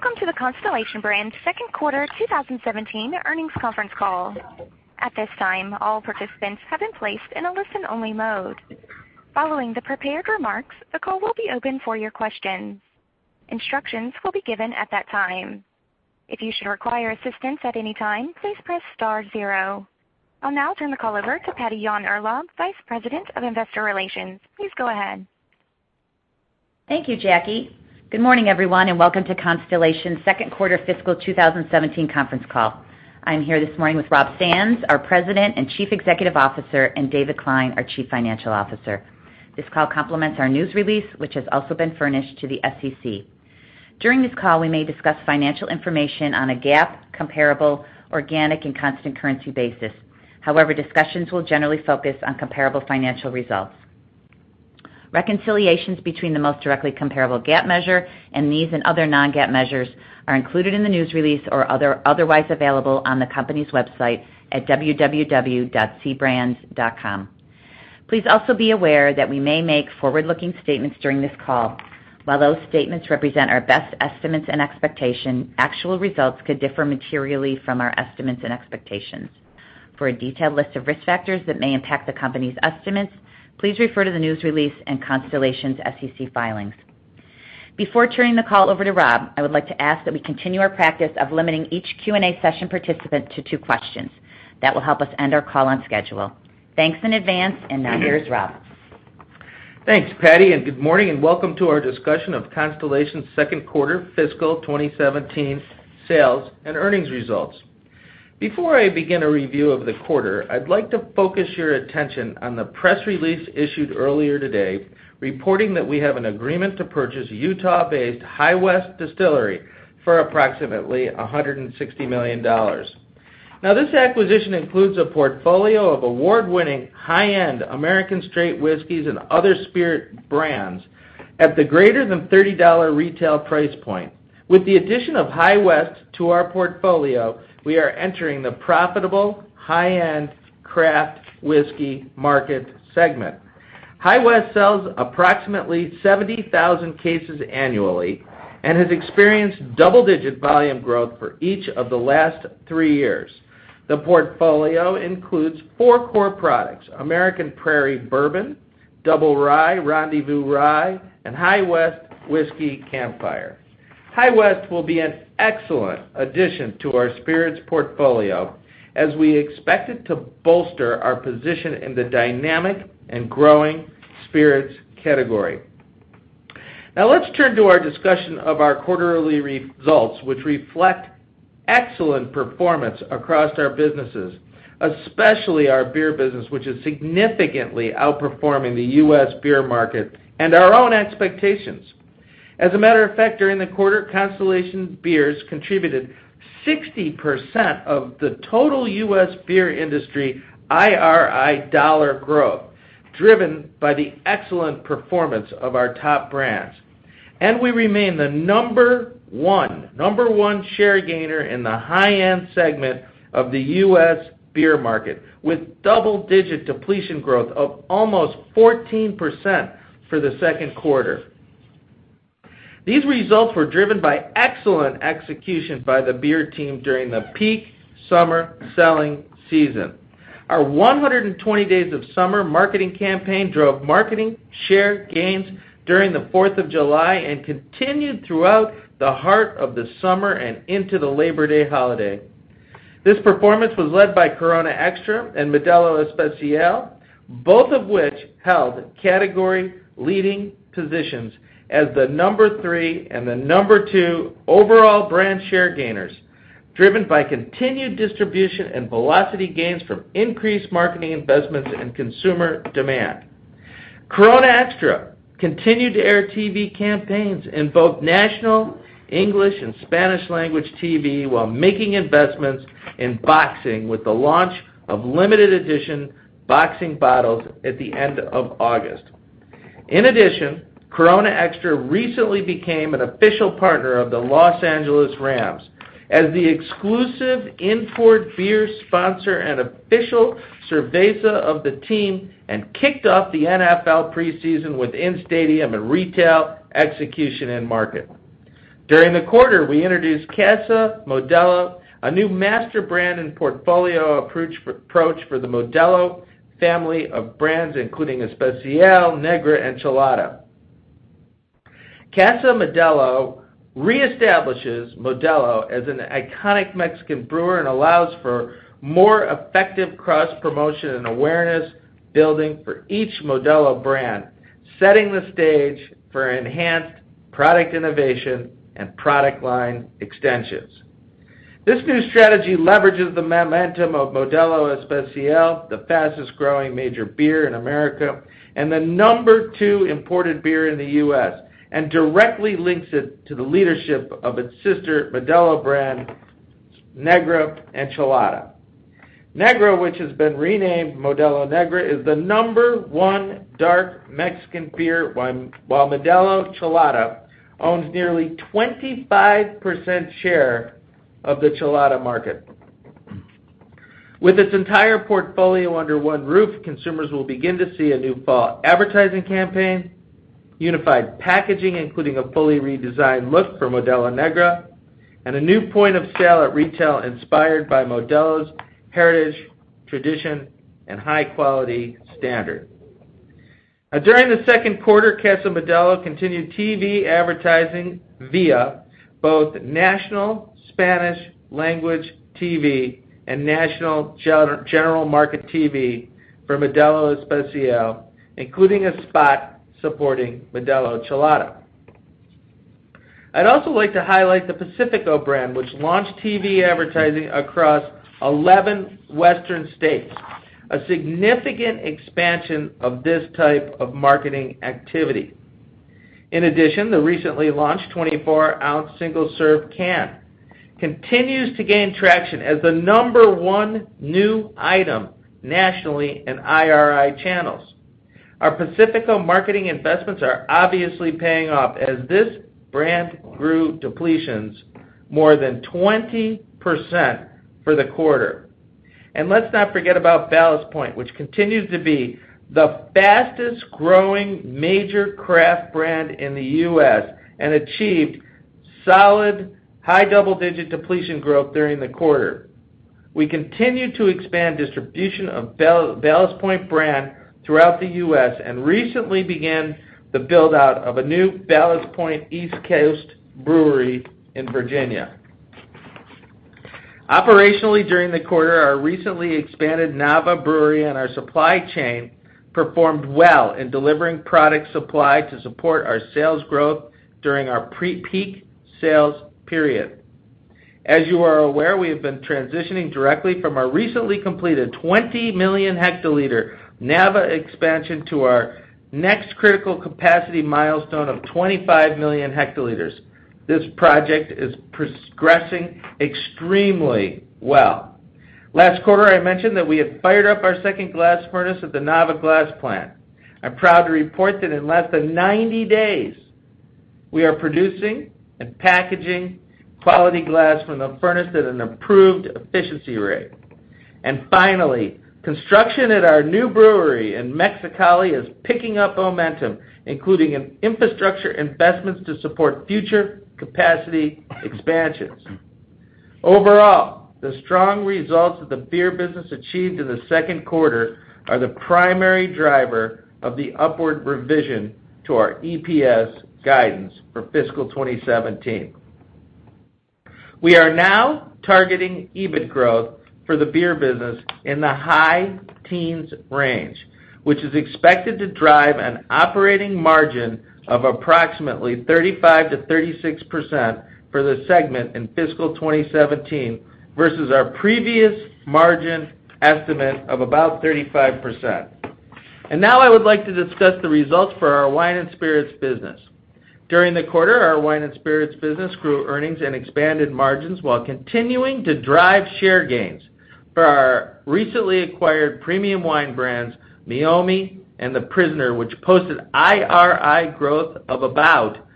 Welcome to Constellation Brands' second quarter 2017 earnings conference call. At this time, all participants have been placed in a listen-only mode. Following the prepared remarks, the call will be open for your questions. Instructions will be given at that time. If you should require assistance at any time, please press star zero. I'll now turn the call over to Patty Yahn-Urlaub, Vice President of Investor Relations. Please go ahead. Thank you, Jackie. Good morning, everyone, and welcome to Constellation's second quarter fiscal 2017 conference call. I'm here this morning with Rob Sands, our President and Chief Executive Officer, and David Klein, our Chief Financial Officer. This call complements our news release, which has also been furnished to the SEC. During this call, we may discuss financial information on a GAAP, comparable, organic, and constant currency basis. However, discussions will generally focus on comparable financial results. Reconciliations between the most directly comparable GAAP measure and these, and other non-GAAP measures are included in the news release or otherwise available on the company's website at www.cbrands.com. Please also be aware that we may make forward-looking statements during this call. While those statements represent our best estimates and expectation, actual results could differ materially from our estimates and expectations. For a detailed list of risk factors that may impact the company's estimates, please refer to the news release and Constellation's SEC filings. Before turning the call over to Rob, I would like to ask that we continue our practice of limiting each Q&A session participant to two questions. That will help us end our call on schedule. Thanks in advance, and now here's Rob. Thanks, Patty, and good morning and welcome to our discussion of Constellation's second quarter fiscal 2017 sales and earnings results. Before I begin a review of the quarter, I'd like to focus your attention on the press release issued earlier today, reporting that we have an agreement to purchase Utah-based High West Distillery for approximately $160 million. Now, this acquisition includes a portfolio of award-winning, high-end American straight whiskeys and other spirit brands at the greater than $30 retail price point. With the addition of High West to our portfolio, we are entering the profitable high-end craft whiskey market segment. High West sells approximately 70,000 cases annually and has experienced double-digit volume growth for each of the last three years. The portfolio includes four core products, American Prairie Bourbon, Double Rye!, Rendezvous Rye, and Campfire. High West will be an excellent addition to our spirits portfolio as we expect it to bolster our position in the dynamic and growing spirits category. Now let's turn to our discussion of our quarterly results, which reflect excellent performance across our businesses, especially our beer business, which is significantly outperforming the U.S. beer market and our own expectations. As a matter of fact, during the quarter, Constellation beers contributed 60% of the total U.S. beer industry IRI dollar growth, driven by the excellent performance of our top brands. We remain the number one share gainer in the high-end segment of the U.S. beer market, with double-digit depletion growth of almost 14% for the second quarter. These results were driven by excellent execution by the beer team during the peak summer selling season. Our 120 Days of Summer marketing campaign drove marketing share gains during the Fourth of July and continued throughout the heart of the summer and into the Labor Day holiday. This performance was led by Corona Extra and Modelo Especial, both of which held category-leading positions as the number three and the number two overall brand share gainers, driven by continued distribution and velocity gains from increased marketing investments and consumer demand. Corona Extra continued to air TV campaigns in both national English and Spanish language TV, while making investments in boxing with the launch of limited edition boxing bottles at the end of August. In addition, Corona Extra recently became an official partner of the Los Angeles Rams as the exclusive import beer sponsor and official cerveza of the team, and kicked off the NFL preseason with in-stadium and retail execution in-market. During the quarter, we introduced Casa Modelo, a new master brand and portfolio approach for the Modelo family of brands, including Especial, Negra, and Chelada. Casa Modelo reestablishes Modelo as an iconic Mexican brewer and allows for more effective cross-promotion and awareness building for each Modelo brand, setting the stage for enhanced product innovation and product line extensions. This new strategy leverages the momentum of Modelo Especial, the fastest-growing major beer in America and the number two imported beer in the U.S., and directly links it to the leadership of its sister Modelo brands, Negra and Chelada. Negra, which has been renamed Modelo Negra, is the number one dark Mexican beer, while Modelo Chelada owns nearly 25% share of the Chelada market. With its entire portfolio under one roof, consumers will begin to see a new fall advertising campaign, unified packaging, including a fully redesigned look for Modelo Negra, and a new point of sale at retail inspired by Modelo's heritage, tradition, and high quality standard. During the second quarter, Casa Modelo continued TV advertising via both national Spanish language TV and national general market TV for Modelo Especial, including a spot supporting Modelo Chelada. I'd also like to highlight the Pacifico brand, which launched TV advertising across 11 western states, a significant expansion of this type of marketing activity. In addition, the recently launched 24-ounce single-serve can continues to gain traction as the number one new item nationally in IRI channels. Our Pacifico marketing investments are obviously paying off as this brand grew depletions more than 20% for the quarter. Let's not forget about Ballast Point, which continues to be the fastest-growing major craft brand in the U.S. and achieved solid high double-digit depletion growth during the quarter. We continue to expand distribution of Ballast Point brand throughout the U.S. and recently began the build-out of a new Ballast Point East Coast brewery in Virginia. Operationally, during the quarter, our recently expanded Nava Brewery and our supply chain performed well in delivering product supply to support our sales growth during our pre-peak sales period. As you are aware, we have been transitioning directly from our recently completed 20 million hectoliter Nava expansion to our next critical capacity milestone of 25 million hectoliters. This project is progressing extremely well. Last quarter, I mentioned that we had fired up our second glass furnace at the Nava Glass plant. I'm proud to report that in less than 90 days, we are producing and packaging quality glass from the furnace at an improved efficiency rate. Finally, construction at our new brewery in Mexicali is picking up momentum, including infrastructure investments to support future capacity expansions. Overall, the strong results that the beer business achieved in the second quarter are the primary driver of the upward revision to our EPS guidance for fiscal 2017. We are now targeting EBIT growth for the beer business in the high teens range, which is expected to drive an operating margin of approximately 35%-36% for the segment in fiscal 2017 versus our previous margin estimate of about 35%. Now I would like to discuss the results for our wine and spirits business. During the quarter, our wine and spirits business grew earnings and expanded margins while continuing to drive share gains for our recently acquired premium wine brands, Meiomi and The Prisoner, which posted IRI growth of about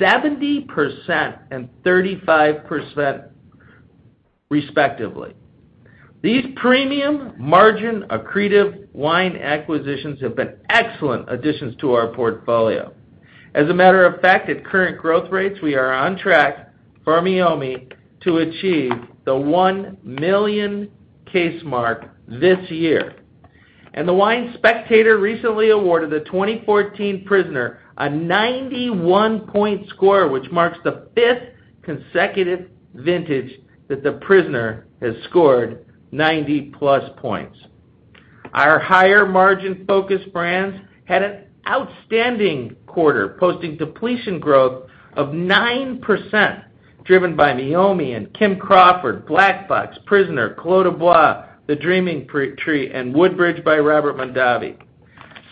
70% and 35%, respectively. These premium margin accretive wine acquisitions have been excellent additions to our portfolio. As a matter of fact, at current growth rates, we are on track for Meiomi to achieve the 1 million case mark this year. The Wine Spectator recently awarded the 2014 Prisoner a 91-point score, which marks the fifth consecutive vintage that The Prisoner has scored 90-plus points. Our higher margin focused brands had an outstanding quarter, posting depletion growth of 9%, driven by Meiomi and Kim Crawford, Black Box, Prisoner, Clos du Bois, The Dreaming Tree, and Woodbridge by Robert Mondavi.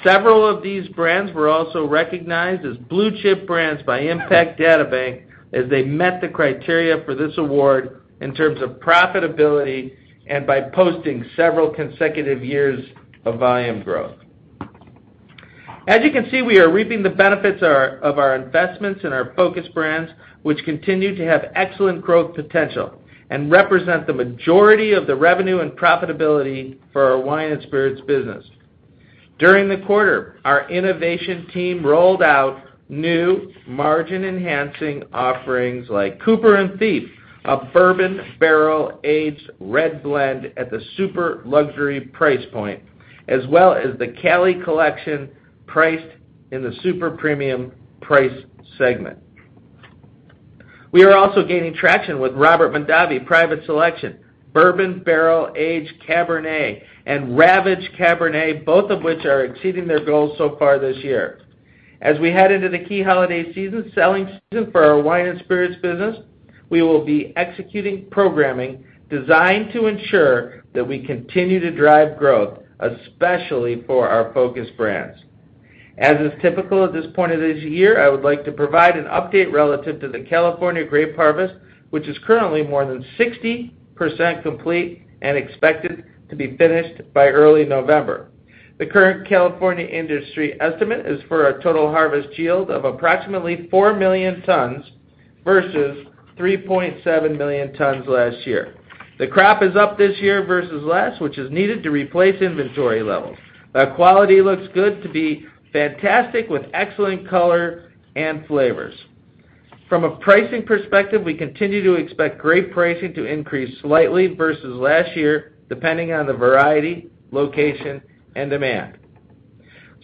Several of these brands were also recognized as Blue Chip Brands by Impact Databank as they met the criteria for this award in terms of profitability and by posting several consecutive years of volume growth. As you can see, we are reaping the benefits of our investments in our focus brands, which continue to have excellent growth potential and represent the majority of the revenue and profitability for our wine and spirits business. During the quarter, our innovation team rolled out new margin-enhancing offerings like Cooper & Thief, a bourbon barrel-aged red blend at the super luxury price point, as well as the Cali Collection, priced in the super premium price segment. We are also gaining traction with Robert Mondavi Private Selection Bourbon Barrel Aged Cabernet and Ravage Cabernet, both of which are exceeding their goals so far this year. As we head into the key holiday season, selling season for our wine and spirits business, we will be executing programming designed to ensure that we continue to drive growth, especially for our focus brands. As is typical at this point of this year, I would like to provide an update relative to the California grape harvest, which is currently more than 60% complete and expected to be finished by early November. The current California industry estimate is for a total harvest yield of approximately 4 million tons versus 3.7 million tons last year. The crop is up this year versus last, which is needed to replace inventory levels. The quality looks good to be fantastic with excellent color and flavors. From a pricing perspective, we continue to expect grape pricing to increase slightly versus last year, depending on the variety, location, and demand.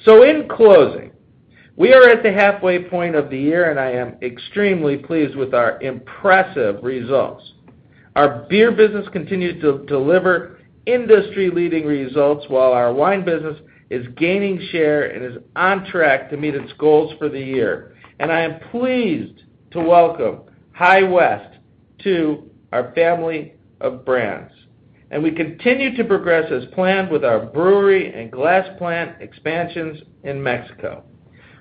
In closing, we are at the halfway point of the year, I am extremely pleased with our impressive results. Our beer business continues to deliver industry-leading results, while our wine business is gaining share and is on track to meet its goals for the year. I am pleased to welcome High West to our family of brands. We continue to progress as planned with our brewery and glass plant expansions in Mexico.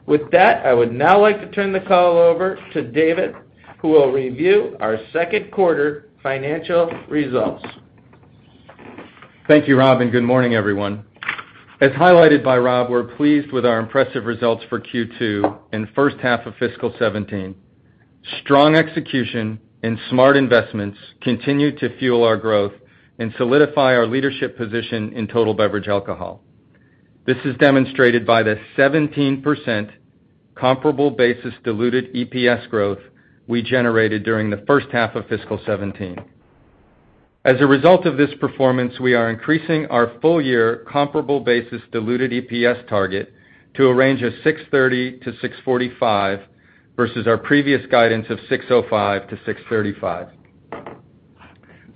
With that, I would now like to turn the call over to David, who will review our second quarter financial results. Thank you, Rob, and good morning, everyone. As highlighted by Rob, we are pleased with our impressive results for Q2 and first half of fiscal 2017. Strong execution and smart investments continue to fuel our growth and solidify our leadership position in total beverage alcohol. This is demonstrated by the 17% comparable basis diluted EPS growth we generated during the first half of fiscal 2017. As a result of this performance, we are increasing our full year comparable basis diluted EPS target to a range of $6.30 to $6.45 versus our previous guidance of $6.05 to $6.35.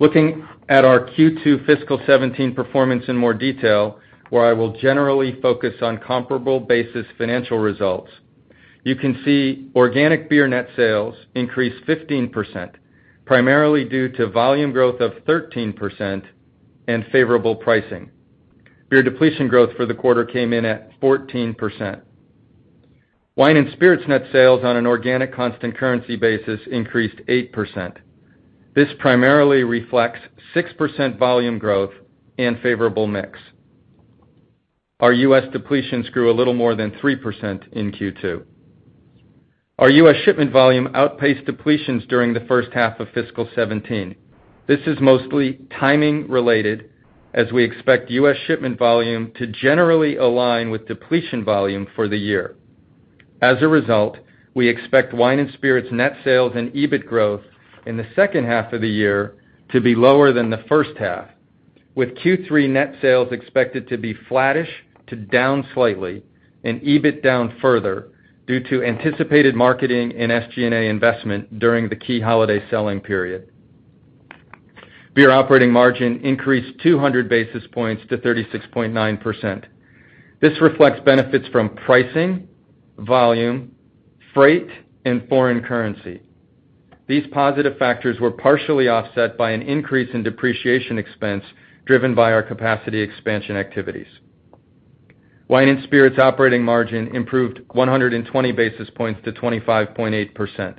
Looking at our Q2 fiscal 2017 performance in more detail, where I will generally focus on comparable basis financial results. You can see organic beer net sales increased 15%, primarily due to volume growth of 13% and favorable pricing. Beer depletion growth for the quarter came in at 14%. Wine and spirits net sales on an organic constant currency basis increased 8%. This primarily reflects 6% volume growth and favorable mix. Our U.S. depletions grew a little more than 3% in Q2. Our U.S. shipment volume outpaced depletions during the first half of fiscal 2017. This is mostly timing related, as we expect U.S. shipment volume to generally align with depletion volume for the year. As a result, we expect wine and spirits net sales and EBIT growth in the second half of the year to be lower than the first half, with Q3 net sales expected to be flattish to down slightly and EBIT down further due to anticipated marketing and SG&A investment during the key holiday selling period. Beer operating margin increased 200 basis points to 36.9%. This reflects benefits from pricing, volume, freight, and foreign currency. These positive factors were partially offset by an increase in depreciation expense driven by our capacity expansion activities. Wine and spirits operating margin improved 120 basis points to 25.8%.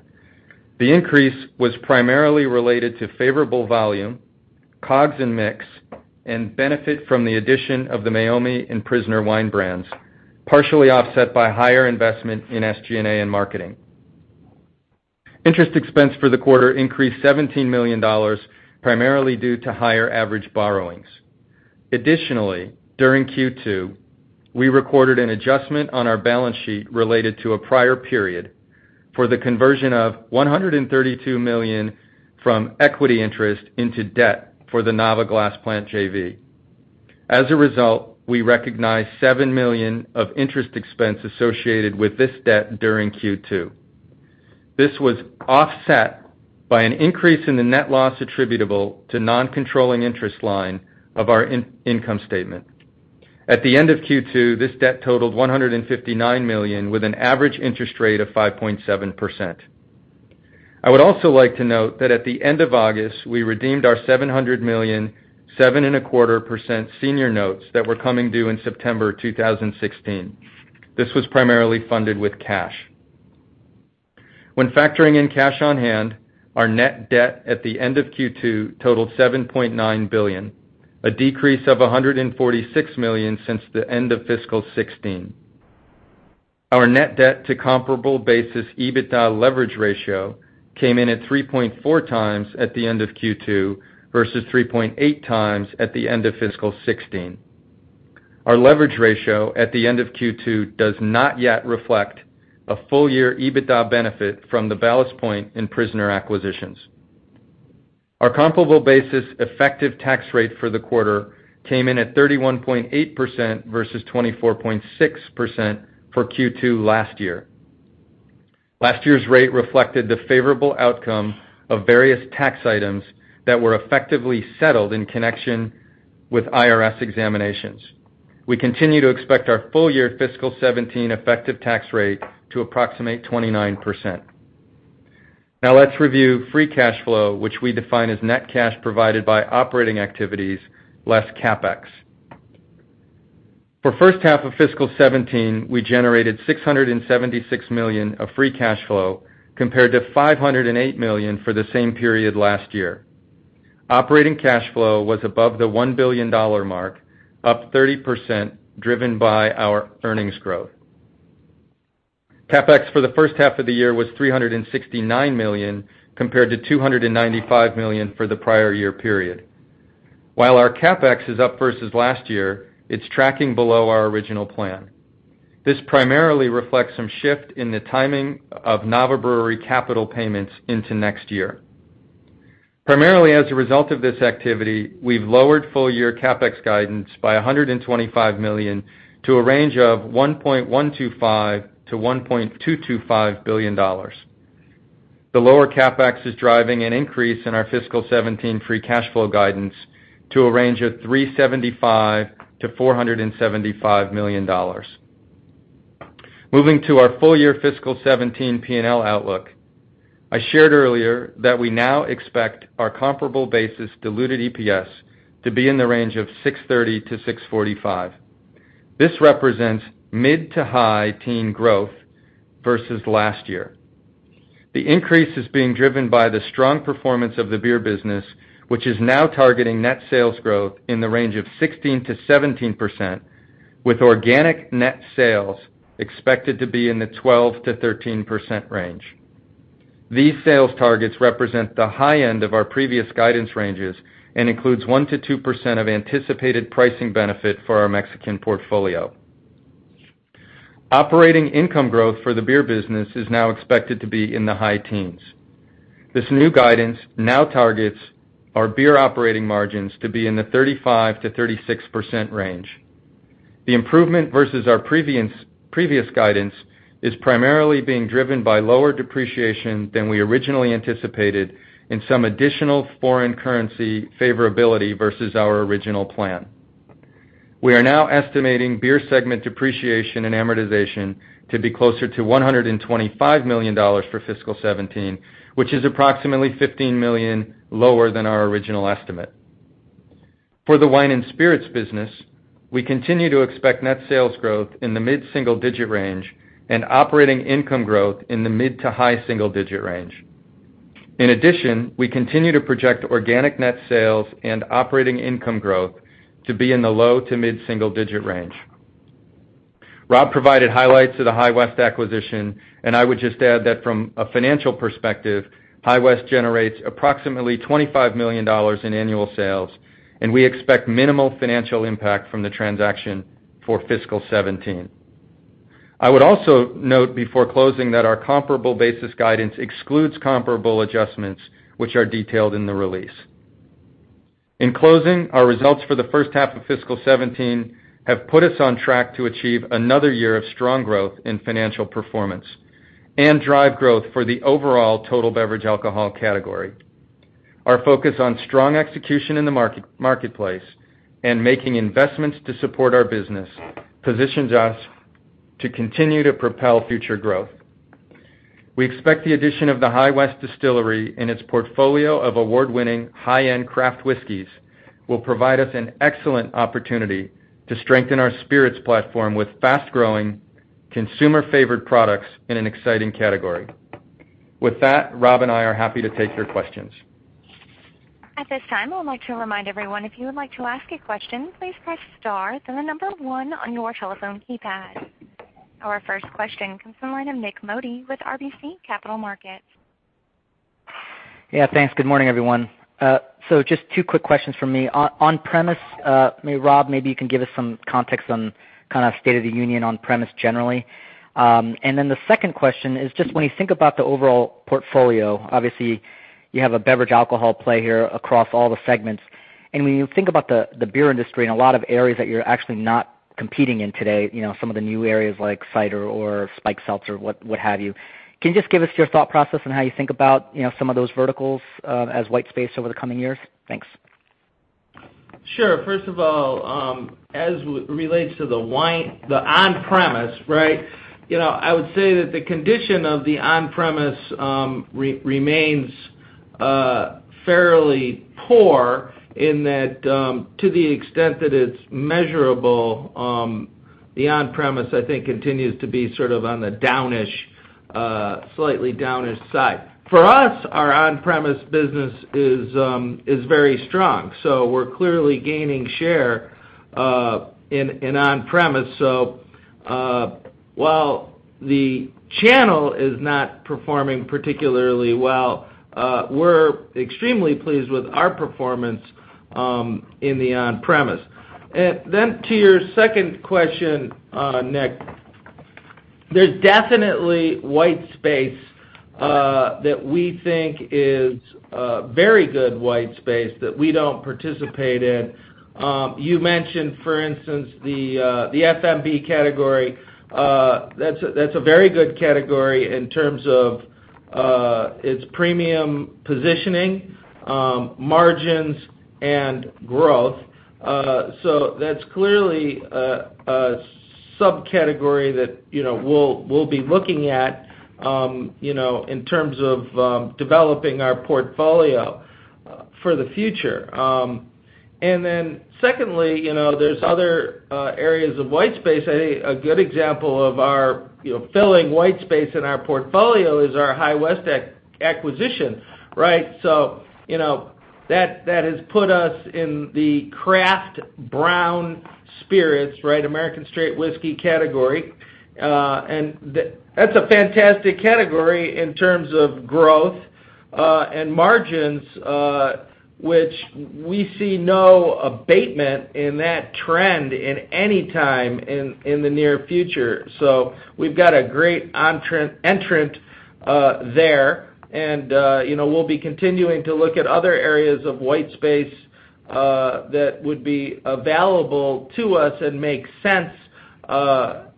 The increase was primarily related to favorable volume, COGS and mix, and benefit from the addition of the Meiomi and Prisoner wine brands, partially offset by higher investment in SG&A and marketing. Interest expense for the quarter increased $17 million, primarily due to higher average borrowings. Additionally, during Q2, we recorded an adjustment on our balance sheet related to a prior period for the conversion of $132 million from equity interest into debt for the Nava Glass Plant JV. As a result, we recognized $7 million of interest expense associated with this debt during Q2. This was offset by an increase in the net loss attributable to non-controlling interest line of our income statement. At the end of Q2, this debt totaled $159 million with an average interest rate of 5.7%. I would also like to note that at the end of August, we redeemed our $700 million, 7.25% senior notes that were coming due in September 2016. This was primarily funded with cash. When factoring in cash on hand, our net debt at the end of Q2 totaled $7.9 billion, a decrease of $146 million since the end of fiscal 2016. Our net debt to comparable basis EBITDA leverage ratio came in at 3.4 times at the end of Q2 versus 3.8 times at the end of fiscal 2016. Our leverage ratio at the end of Q2 does not yet reflect a full year EBITDA benefit from the Ballast Point and Prisoner acquisitions. Our comparable basis effective tax rate for the quarter came in at 31.8% versus 24.6% for Q2 last year. Last year's rate reflected the favorable outcome of various tax items that were effectively settled in connection with IRS examinations. We continue to expect our full year fiscal 2017 effective tax rate to approximate 29%. Now let's review free cash flow, which we define as net cash provided by operating activities less CapEx. For first half of fiscal 2017, we generated $676 million of free cash flow compared to $508 million for the same period last year. Operating cash flow was above the $1 billion mark, up 30%, driven by our earnings growth. CapEx for the first half of the year was $369 million, compared to $295 million for the prior year period. While our CapEx is up versus last year, it's tracking below our original plan. This primarily reflects some shift in the timing of Nava Brewery capital payments into next year. Primarily as a result of this activity, we've lowered full year CapEx guidance by $125 million to a range of $1.125 billion-$1.225 billion. The lower CapEx is driving an increase in our fiscal 2017 free cash flow guidance to a range of $375 million-$475 million. Moving to our full year fiscal 2017 P&L outlook. I shared earlier that we now expect our comparable basis diluted EPS to be in the range of $6.30-$6.45. This represents mid to high teen growth versus last year. The increase is being driven by the strong performance of the beer business, which is now targeting net sales growth in the range of 16%-17%, with organic net sales expected to be in the 12%-13% range. These sales targets represent the high end of our previous guidance ranges includes 1%-2% of anticipated pricing benefit for our Mexican portfolio. Operating income growth for the beer business is now expected to be in the high teens. This new guidance now targets our beer operating margins to be in the 35%-36% range. The improvement versus our previous guidance is primarily being driven by lower depreciation than we originally anticipated and some additional foreign currency favorability versus our original plan. We are now estimating beer segment depreciation and amortization to be closer to $125 million for fiscal 2017, which is approximately $15 million lower than our original estimate. For the wine and spirits business, we continue to expect net sales growth in the mid-single digit range and operating income growth in the mid to high single digit range. In addition, we continue to project organic net sales and operating income growth to be in the low to mid-single digit range. Rob provided highlights of the High West acquisition. I would just add that from a financial perspective, High West generates approximately $25 million in annual sales, and we expect minimal financial impact from the transaction for fiscal 2017. I would also note before closing that our comparable basis guidance excludes comparable adjustments, which are detailed in the release. In closing, our results for the first half of fiscal 2017 have put us on track to achieve another year of strong growth in financial performance and drive growth for the overall total beverage alcohol category. Our focus on strong execution in the marketplace and making investments to support our business positions us to continue to propel future growth. We expect the addition of the High West Distillery and its portfolio of award-winning, high-end craft whiskeys will provide us an excellent opportunity to strengthen our spirits platform with fast-growing, consumer favored products in an exciting category. With that, Rob and I are happy to take your questions. At this time, I would like to remind everyone, if you would like to ask a question, please press star, then the number 1 on your telephone keypad. Our first question comes from the line of Nik Modi with RBC Capital Markets. Yeah, thanks. Good morning, everyone. Just two quick questions from me. On-premise, Rob, maybe you can give us some context on state of the union on-premise generally. The second question is just when you think about the overall portfolio, obviously you have a beverage alcohol play here across all the segments. When you think about the beer industry in a lot of areas that you're actually not competing in today, some of the new areas like cider or spiked seltzer, what have you. Can you just give us your thought process on how you think about some of those verticals as white space over the coming years? Thanks. Sure. First of all, as it relates to the on-premise, I would say that the condition of the on-premise remains fairly poor in that, to the extent that it's measurable, the on-premise, I think, continues to be sort of on the slightly down-ish side. For us, our on-premise business is very strong, so we're clearly gaining share in on-premise. While the channel is not performing particularly well, we're extremely pleased with our performance in the on-premise. To your second question, Nik, there's definitely white space that we think is a very good white space that we don't participate in. You mentioned, for instance, the FMB category. That's a very good category in terms of its premium positioning, margins, and growth. That's clearly a subcategory that we'll be looking at in terms of developing our portfolio for the future. Secondly, there's other areas of white space. A good example of our filling white space in our portfolio is our High West acquisition. That has put us in the craft brown- spirits, American straight whiskey category. That's a fantastic category in terms of growth, and margins, which we see no abatement in that trend in any time in the near future. We've got a great entrant there, and we'll be continuing to look at other areas of white space, that would be available to us and make sense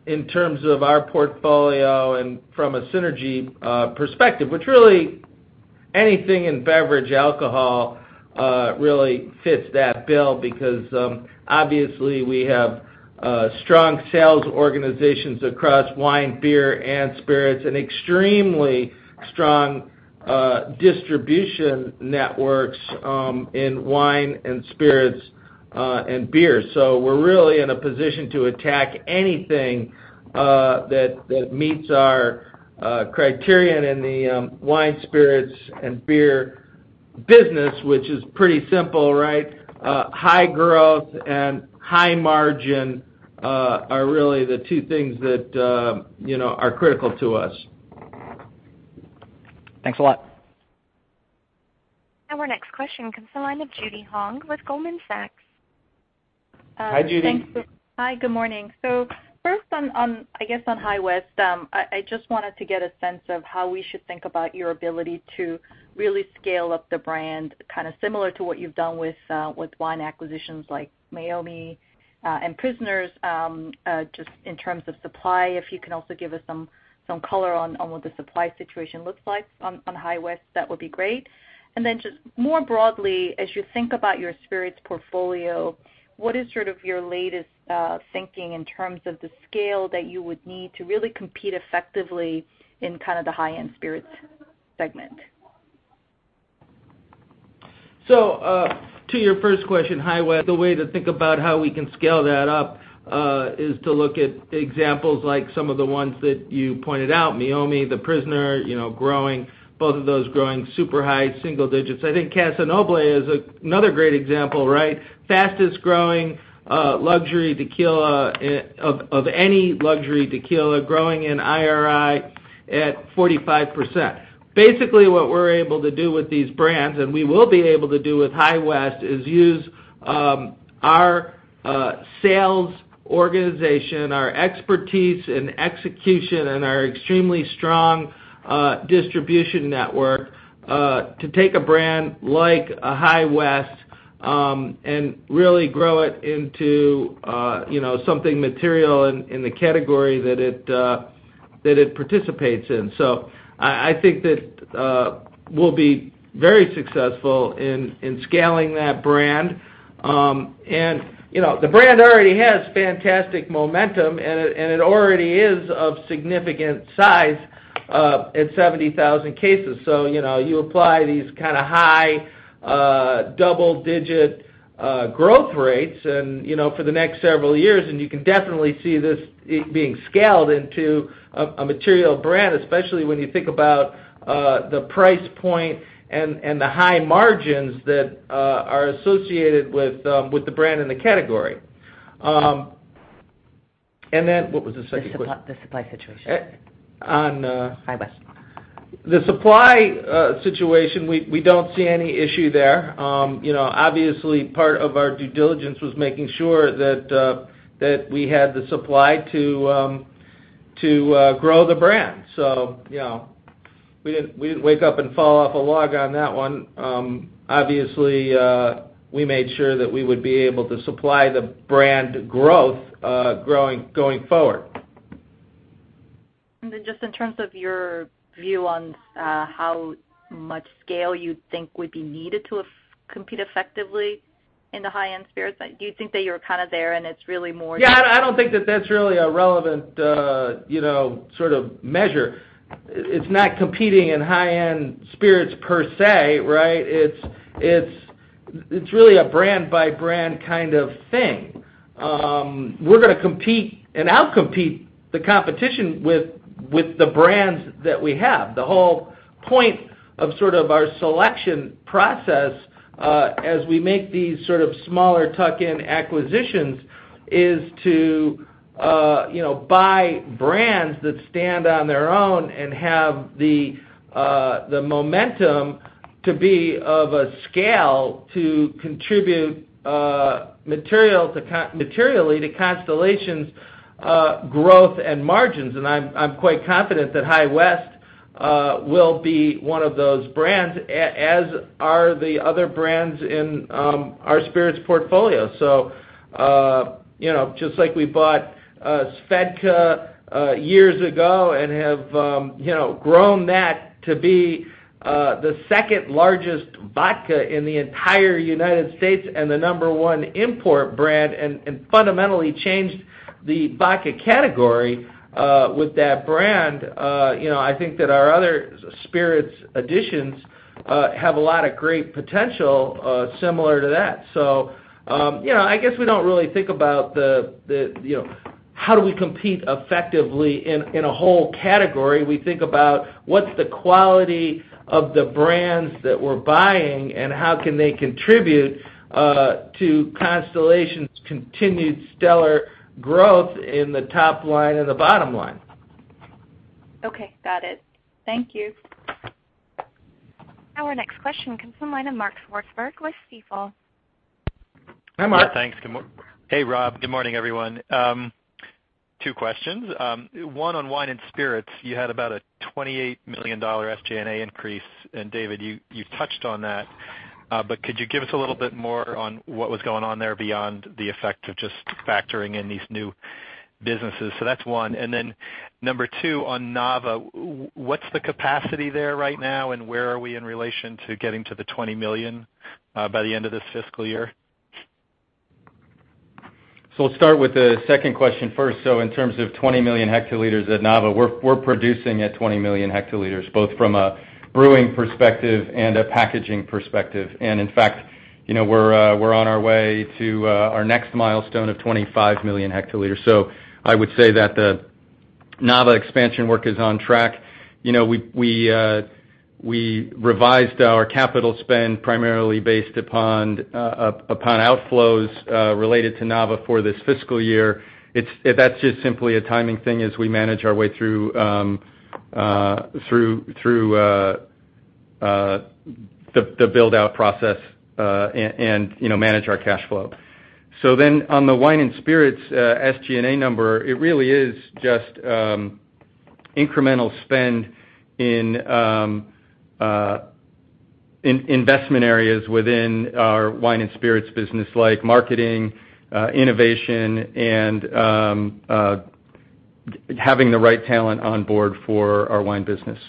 in terms of our portfolio and from a synergy perspective, which really anything in beverage alcohol really fits that bill because, obviously we have strong sales organizations across wine, beer, and spirits, and extremely strong distribution networks in wine and spirits, and beer. We're really in a position to attack anything that meets our criterion in the wine, spirits, and beer business, which is pretty simple. High growth and high margin are really the two things that are critical to us. Thanks a lot. Our next question comes to the line of Judy Hong with Goldman Sachs. Hi, Judy. Thanks. Hi, good morning. First on, I guess on High West, I just wanted to get a sense of how we should think about your ability to really scale up the brand, kind of similar to what you've done with wine acquisitions like Meiomi and Prisoner, just in terms of supply. If you can also give us some color on what the supply situation looks like on High West, that would be great. Then just more broadly, as you think about your spirits portfolio, what is sort of your latest thinking in terms of the scale that you would need to really compete effectively in kind of the high-end spirits segment? To your first question, High West, the way to think about how we can scale that up, is to look at examples like some of the ones that you pointed out, Meiomi, The Prisoner, both of those growing super high single digits. I think Casa Noble is another great example. Fastest growing luxury tequila, of any luxury tequila growing in IRI at 45%. Basically, what we are able to do with these brands, and we will be able to do with High West, is use our sales organization, our expertise in execution, and our extremely strong distribution network, to take a brand like a High West, and really grow it into something material in the category that it participates in. I think that we will be very successful in scaling that brand. And the brand already has fantastic momentum, and it already is of significant size, at 70,000 cases. You apply these kind of high, double-digit growth rates for the next several years, and you can definitely see this being scaled into a material brand, especially when you think about the price point and the high margins that are associated with the brand and the category. And then, what was the second question? The supply situation. On- High West. The supply situation, we don't see any issue there. Obviously part of our due diligence was making sure that we had the supply to grow the brand. We didn't wake up and fall off a log on that one. Obviously, we made sure that we would be able to supply the brand growth going forward. Just in terms of your view on how much scale you think would be needed to compete effectively in the high-end spirits, do you think that you're kind of there and it's really more? Yeah, I don't think that that's really a relevant sort of measure. It's not competing in high-end spirits per se. It's really a brand by brand kind of thing. We're gonna compete and out-compete the competition with the brands that we have. The whole point of sort of our selection process, as we make these sort of smaller tuck-in acquisitions, is to buy brands that stand on their own and have the momentum to be of a scale to contribute materially to Constellation's growth and margins. I'm quite confident that High West will be one of those brands, as are the other brands in our spirits portfolio. Just like we bought SVEDKA years ago and have grown that to be the second largest vodka in the entire U.S. and the number one import brand, and fundamentally changed the vodka category, with that brand, I think that our other spirits additions have a lot of great potential, similar to that. I guess we don't really think about the How do we compete effectively in a whole category? We think about what's the quality of the brands that we're buying, and how can they contribute to Constellation's continued stellar growth in the top line and the bottom line. Okay, got it. Thank you. Our next question comes from the line of Mark Swartzberg with Stifel. Hi, Mark. Thanks. Hey, Rob. Good morning, everyone. Two questions. One on wine and spirits. You had about a $28 million SG&A increase, and David, you touched on that, but could you give us a little bit more on what was going on there beyond the effect of just factoring in these new businesses? That's one. Number two, on Nava, what's the capacity there right now, and where are we in relation to getting to the 20 million by the end of this fiscal year? I'll start with the second question first. In terms of 20 million hectoliters at Nava, we're producing at 20 million hectoliters, both from a brewing perspective and a packaging perspective. In fact, we're on our way to our next milestone of 25 million hectoliters. I would say that the Nava expansion work is on track. We revised our capital spend primarily based upon outflows, related to Nava for this fiscal year. That's just simply a timing thing as we manage our way through the build-out process, and manage our cash flow. On the wine and spirits SG&A number, it really is just incremental spend in investment areas within our wine and spirits business, like marketing, innovation, and having the right talent on board for our wine business.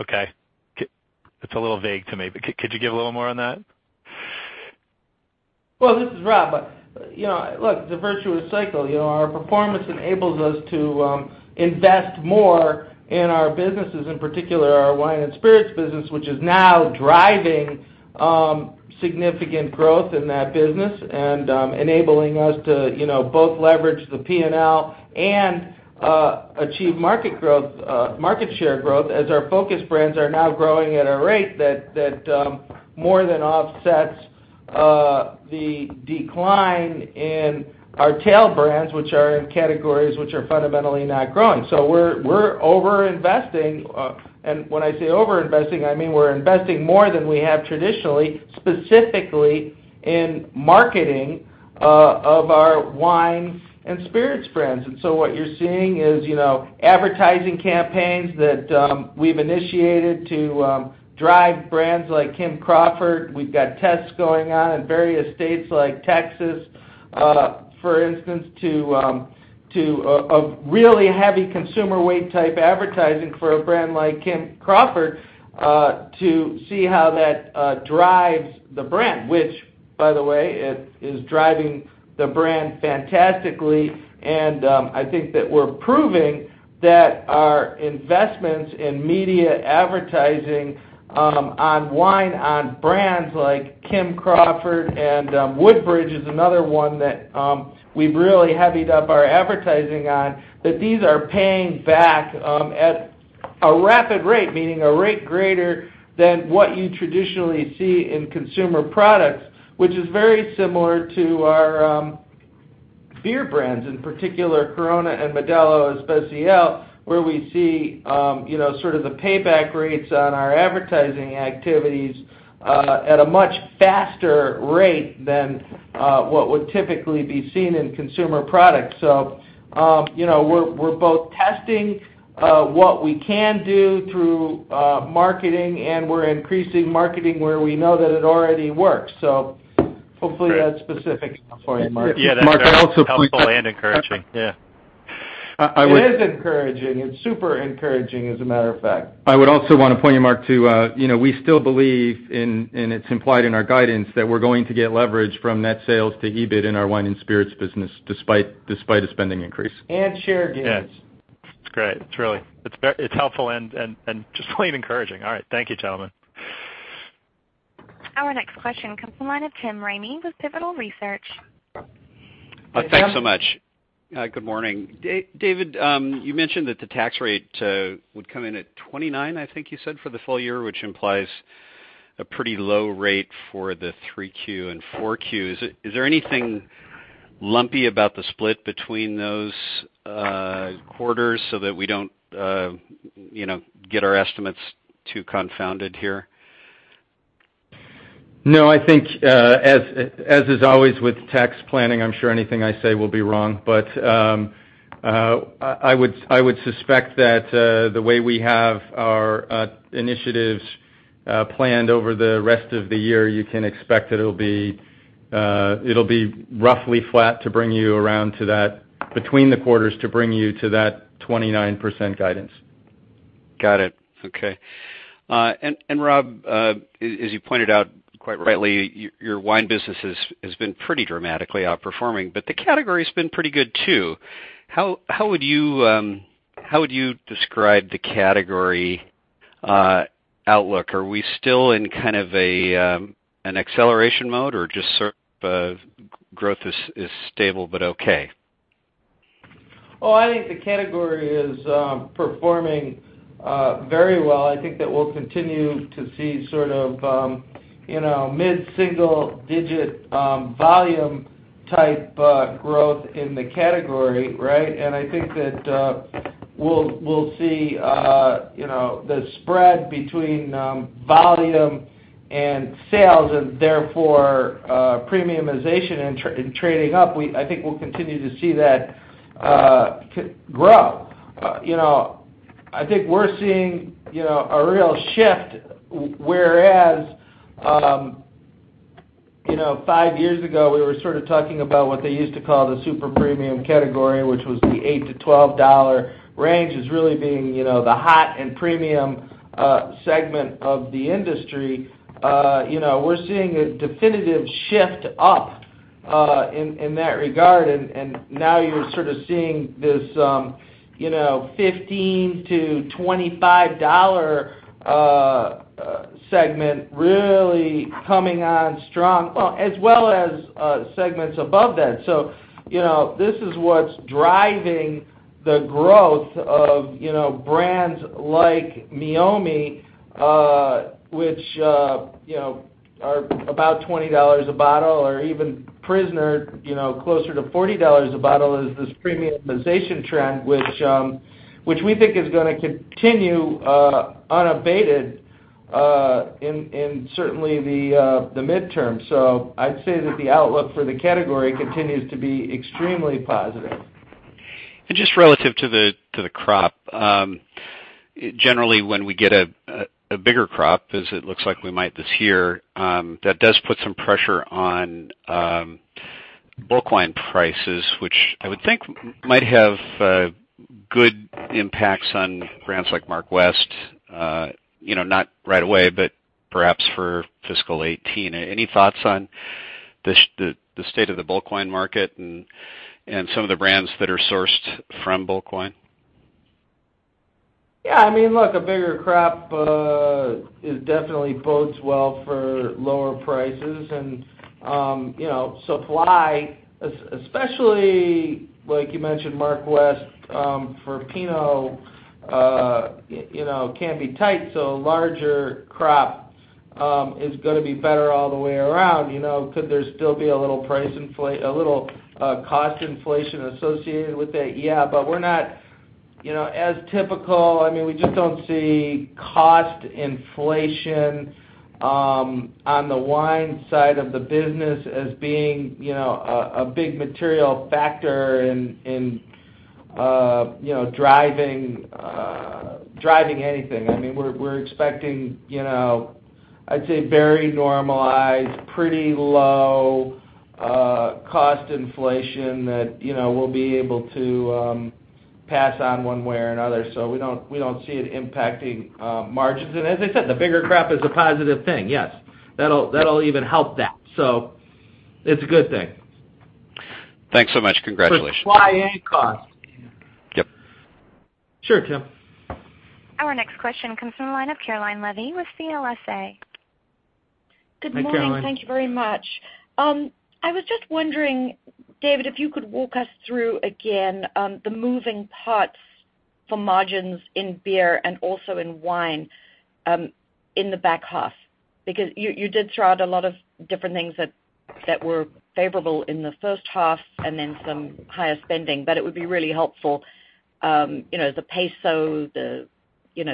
Okay. It's a little vague to me, but could you give a little more on that? This is Rob. Look, it's a virtuous cycle. Our performance enables us to invest more in our businesses, in particular our wine and spirits business, which is now driving significant growth in that business and enabling us to both leverage the P&L and achieve market share growth as our focus brands are now growing at a rate that more than offsets the decline in our tail brands, which are in categories which are fundamentally not growing. We're over-investing, and when I say over-investing, I mean we're investing more than we have traditionally, specifically in marketing of our wine and spirits brands. What you're seeing is advertising campaigns that we've initiated to drive brands like Kim Crawford. We've got tests going on in various states like Texas, for instance, to a really heavy consumer weight type advertising for a brand like Kim Crawford, to see how that drives the brand, which, by the way, it is driving the brand fantastically. I think that we're proving that our investments in media advertising on wine, on brands like Kim Crawford, and Woodbridge is another one that we've really heavied up our advertising on, that these are paying back at a rapid rate, meaning a rate greater than what you traditionally see in consumer products, which is very similar to our beer brands, in particular Corona and Modelo Especial, where we see sort of the payback rates on our advertising activities at a much faster rate than what would typically be seen in consumer products. We are both testing what we can do through marketing and we are increasing marketing where we know that it already works. Hopefully that is specific enough for you, Mark. Yeah, that is helpful and encouraging. Yeah. It is encouraging. It is super encouraging, as a matter of fact. I would also want to point you, Mark, to we still believe, and it is implied in our guidance, that we are going to get leverage from net sales to EBIT in our wine and spirits business despite a spending increase. Share gains. Yeah. It's great. It's helpful and just plain encouraging. All right. Thank you, gentlemen. Our next question comes from the line of Tim Ramey with Pivotal Research. Thanks so much. Good morning. David, you mentioned that the tax rate would come in at 29, I think you said, for the full year, which implies a pretty low rate for the 3 Q and 4 Qs. Is there anything lumpy about the split between those quarters so that we don't get our estimates too confounded here? I think, as is always with tax planning, I'm sure anything I say will be wrong. I would suspect that, the way we have our initiatives planned over the rest of the year, you can expect that it'll be roughly flat to bring you around to that, between the quarters, to bring you to that 29% guidance. Got it. Okay. Rob, as you pointed out quite rightly, your wine business has been pretty dramatically outperforming, but the category's been pretty good too. How would you describe the category outlook? Are we still in an acceleration mode or just sort of growth is stable, but okay? I think the category is performing very well. I think that we'll continue to see mid-single digit volume type growth in the category, right? I think that we'll see the spread between volume and sales, and therefore premiumization and trading up, I think we'll continue to see that grow. I think we're seeing a real shift, whereas five years ago we were sort of talking about what they used to call the super premium category, which was the $8 to $12 range as really being the hot and premium segment of the industry. We're seeing a definitive shift up in that regard, and now you're sort of seeing this $15 to $25 segment really coming on strong. As well as segments above that. This is what's driving the growth of brands like Meiomi, which are about $20 a bottle, or even The Prisoner, closer to $40 a bottle, is this premiumization trend, which we think is going to continue unabated in certainly the midterm. I'd say that the outlook for the category continues to be extremely positive. Just relative to the crop, generally when we get a bigger crop, as it looks like we might this year, that does put some pressure on bulk wine prices, which I would think might have good impacts on brands like Mark West, not right away, but perhaps for FY 2018. Any thoughts on the state of the bulk wine market and some of the brands that are sourced from bulk wine? Look, a bigger crop definitely bodes well for lower prices and supply, especially, like you mentioned, Mark West, for Pinot, can be tight, a larger crop is going to be better all the way around. Could there still be a little cost inflation associated with it? But we're not as typical. We just don't see cost inflation on the wine side of the business as being a big material factor in driving anything. We're expecting, I'd say very normalized, pretty low cost inflation that we'll be able to pass on one way or another. We don't see it impacting margins. As I said, the bigger crop is a positive thing. That'll even help that. It's a good thing. Thanks so much. Congratulations. For supply and cost. Yep. Sure, Tim. Our next question comes from the line of Caroline Levy with CLSA. Hi, Caroline. Good morning. Thank you very much. I was just wondering, David, if you could walk us through again, the moving parts for margins in beer and also in wine, in the back half? You did throw out a lot of different things that were favorable in the first half and then some higher spending, but it would be really helpful, the peso, the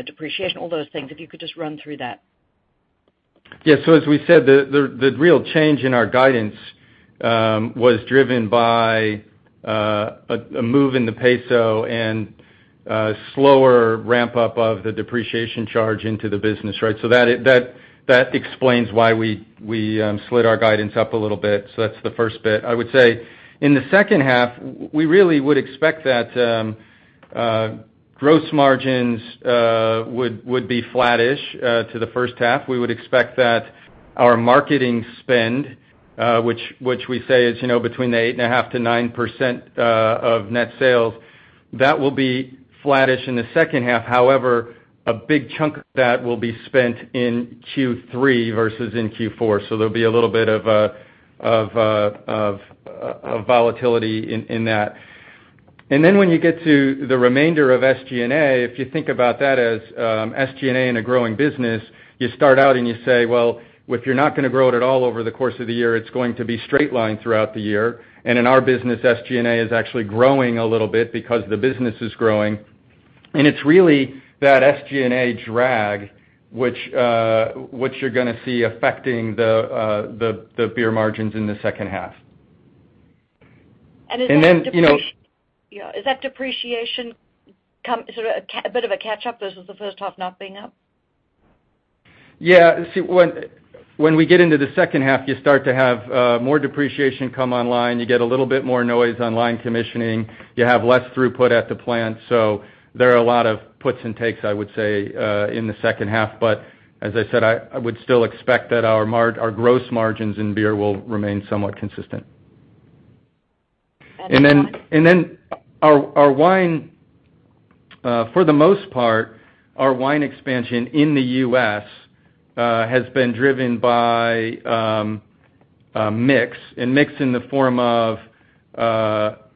depreciation, all those things, if you could just run through that? As we said, the real change in our guidance was driven by a move in the peso and a slower ramp-up of the depreciation charge into the business, right? That explains why we slid our guidance up a little bit. That's the first bit. I would say in the second half, we really would expect that gross margins would be flattish to the first half. We would expect that our marketing spend, which we say is between the 8.5%-9% of net sales, that will be flattish in the second half. However, a big chunk of that will be spent in Q3 versus in Q4, so there'll be a little bit of volatility in that. When you get to the remainder of SG&A, if you think about that as SG&A in a growing business, you start out and you say, well, if you're not going to grow it at all over the course of the year, it's going to be straight line throughout the year. In our business, SG&A is actually growing a little bit because the business is growing. It's really that SG&A drag, which you're going to see affecting the beer margins in the second half. Is that depreciation sort of a bit of a catch-up versus the first half not being up? Yeah. When we get into the second half, you start to have more depreciation come online. You get a little bit more noise on line commissioning. You have less throughput at the plant. There are a lot of puts and takes, I would say, in the second half. As I said, I would still expect that our gross margins in beer will remain somewhat consistent. Our wine, for the most part, our wine expansion in the U.S. has been driven by mix, and mix in the form of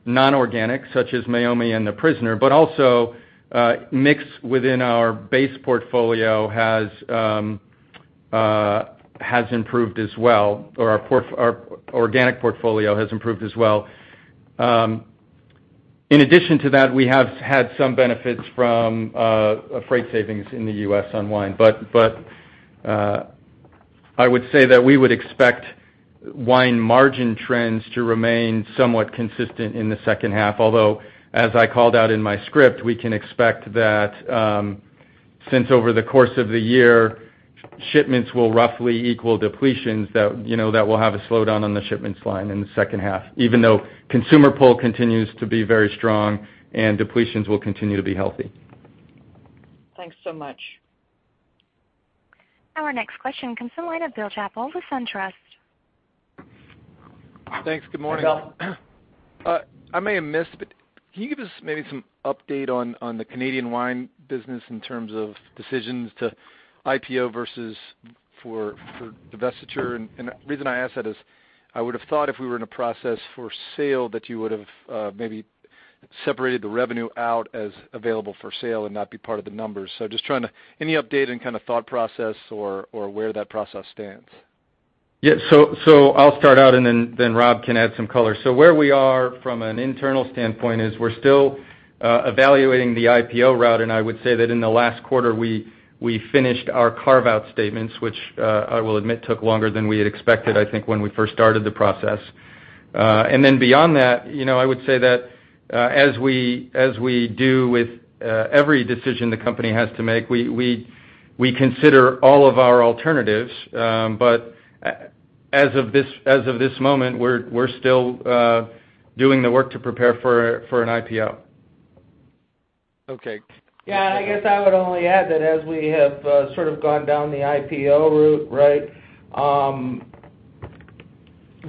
non-organic, such as Meiomi and The Prisoner, but also mix within our base portfolio has improved as well, or our organic portfolio has improved as well. In addition to that, we have had some benefits from freight savings in the U.S. on wine. I would say that we would expect wine margin trends to remain somewhat consistent in the second half, although, as I called out in my script, we can expect that since over the course of the year, shipments will roughly equal depletions, that we'll have a slowdown on the shipments line in the second half, even though consumer pull continues to be very strong and depletions will continue to be healthy. Thanks so much. Our next question comes from the line of Bill Chappell with SunTrust. Thanks. Good morning. Hey, Bill. I may have missed, but can you give us maybe some update on the Canadian wine business in terms of decisions to IPO versus for divestiture? The reason I ask that is I would have thought if we were in a process for sale, that you would have maybe separated the revenue out as available for sale and not be part of the numbers. Just trying to, any update and kind of thought process or where that process stands? Yeah. I'll start out and then Rob can add some color. Where we are from an internal standpoint is we're still evaluating the IPO route, and I would say that in the last quarter, we finished our carve-out statements, which I will admit took longer than we had expected, I think, when we first started the process. Then beyond that, I would say that as we do with every decision the company has to make, we consider all of our alternatives. As of this moment, we're still doing the work to prepare for an IPO. Okay. Yeah, I guess I would only add that as we have sort of gone down the IPO route,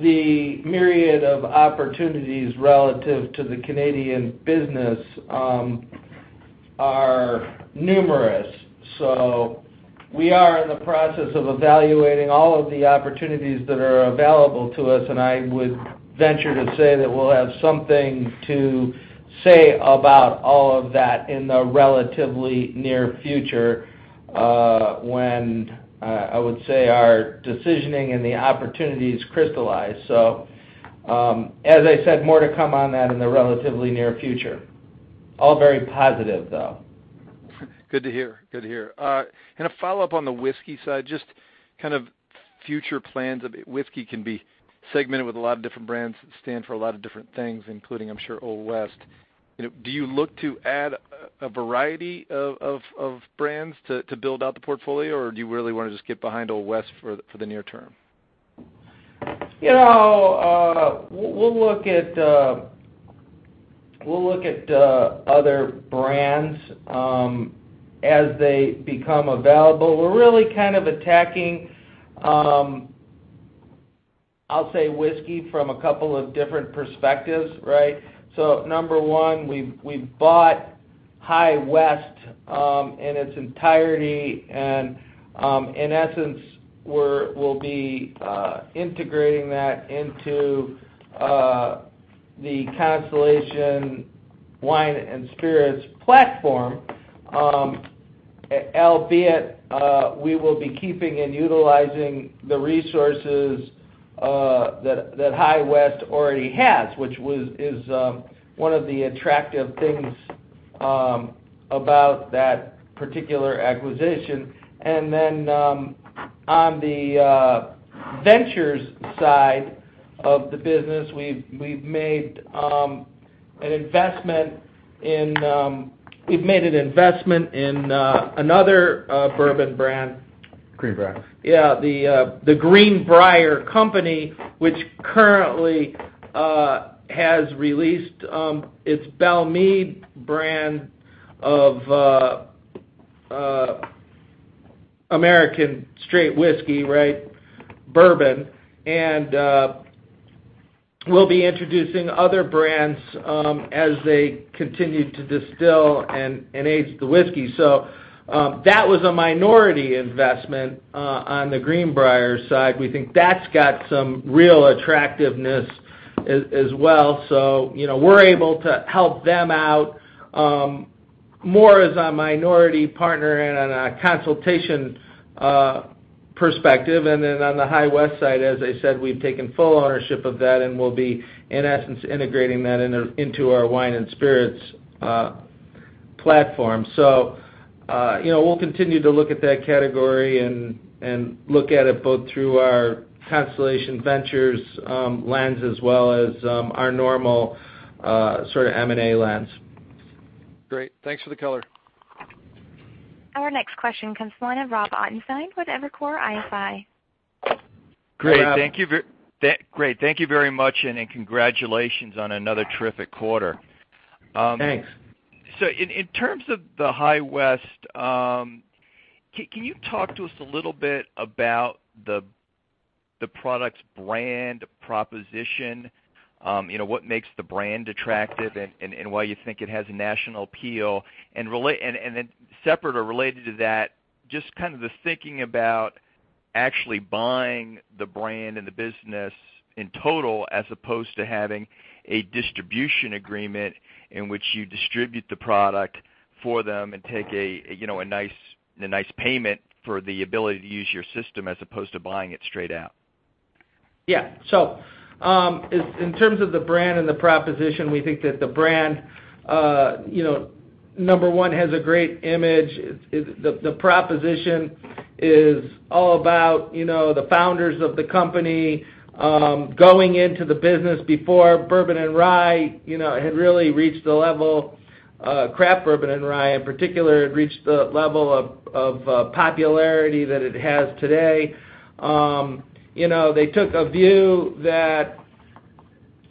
the myriad of opportunities relative to the Canadian business are numerous. We are in the process of evaluating all of the opportunities that are available to us, and I would venture to say that we'll have something to say about all of that in the relatively near future, when I would say our decisioning and the opportunities crystallize. As I said, more to come on that in the relatively near future. All very positive, though. Good to hear. A follow-up on the whiskey side, just kind of future plans of whiskey can be segmented with a lot of different brands that stand for a lot of different things, including, I'm sure, High West. Do you look to add a variety of brands to build out the portfolio, or do you really want to just get behind High West for the near term? We'll look at other brands as they become available. We're really kind of attacking, I'll say, whiskey from a couple of different perspectives. Number one, we've bought High West in its entirety, and in essence, we'll be integrating that into the Constellation Wine and Spirits platform. Albeit, we will be keeping and utilizing the resources that High West already has, which is one of the attractive things about that particular acquisition. Then on the ventures side of the business, we've made an investment in another bourbon brand. Green Brier. The Green Brier Company, which currently has released its Belle Meade brand of American straight whiskey, bourbon. We'll be introducing other brands as they continue to distill and age the whiskey. That was a minority investment on the Green Brier side. We think that's got some real attractiveness as well. We're able to help them out more as a minority partner and on a consultation perspective. Then on the High West side, as I said, we've taken full ownership of that, and we'll be, in essence, integrating that into our Wine and Spirits platform. We'll continue to look at that category and look at it both through our Constellation Ventures lens as well as our normal sort of M&A lens. Great. Thanks for the color. Our next question comes from the line of Robert Ottenstein with Evercore ISI. Rob. Great. Thank you very much, and congratulations on another terrific quarter. Thanks. In terms of the High West. Can you talk to us a little bit about the product's brand proposition? What makes the brand attractive and why you think it has a national appeal? Separate or related to that, just the thinking about actually buying the brand and the business in total, as opposed to having a distribution agreement in which you distribute the product for them and take a nice payment for the ability to use your system as opposed to buying it straight out. Yeah. In terms of the brand and the proposition, we think that the brand, number one, has a great image. The proposition is all about the founders of the company, going into the business before bourbon and rye had really reached the level, craft bourbon and rye in particular, had reached the level of popularity that it has today. They took a view that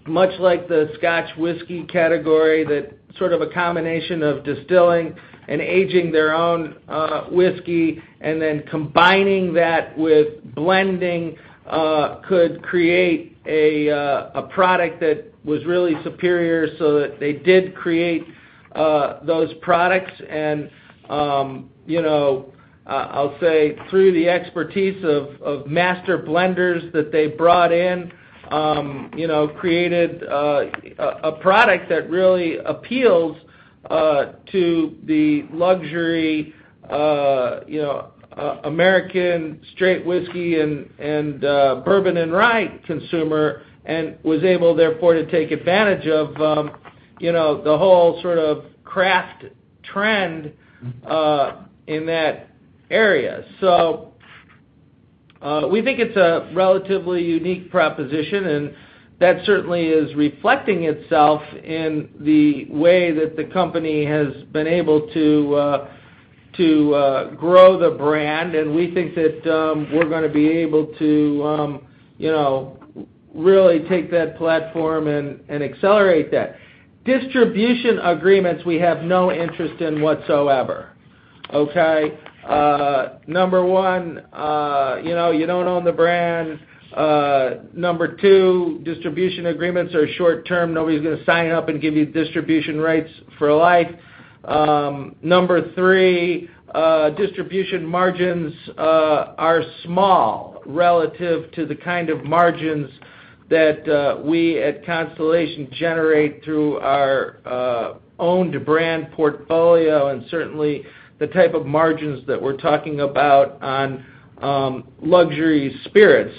much like the Scotch whiskey category, that sort of a combination of distilling and aging their own whiskey and then combining that with blending could create a product that was really superior, so that they did create those products. I'll say through the expertise of master blenders that they brought in, created a product that really appeals to the luxury American straight whiskey and bourbon and rye consumer, and was able therefore to take advantage of the whole sort of craft trend in that area. We think it's a relatively unique proposition, and that certainly is reflecting itself in the way that the company has been able to grow the brand, and we think that we're going to be able to really take that platform and accelerate that. Distribution agreements, we have no interest in whatsoever. Okay? Number one, you don't own the brand. Number two, distribution agreements are short-term. Nobody's going to sign up and give you distribution rights for life. Number three, distribution margins are small relative to the kind of margins that we at Constellation generate through our owned brand portfolio and certainly the type of margins that we're talking about on luxury spirits.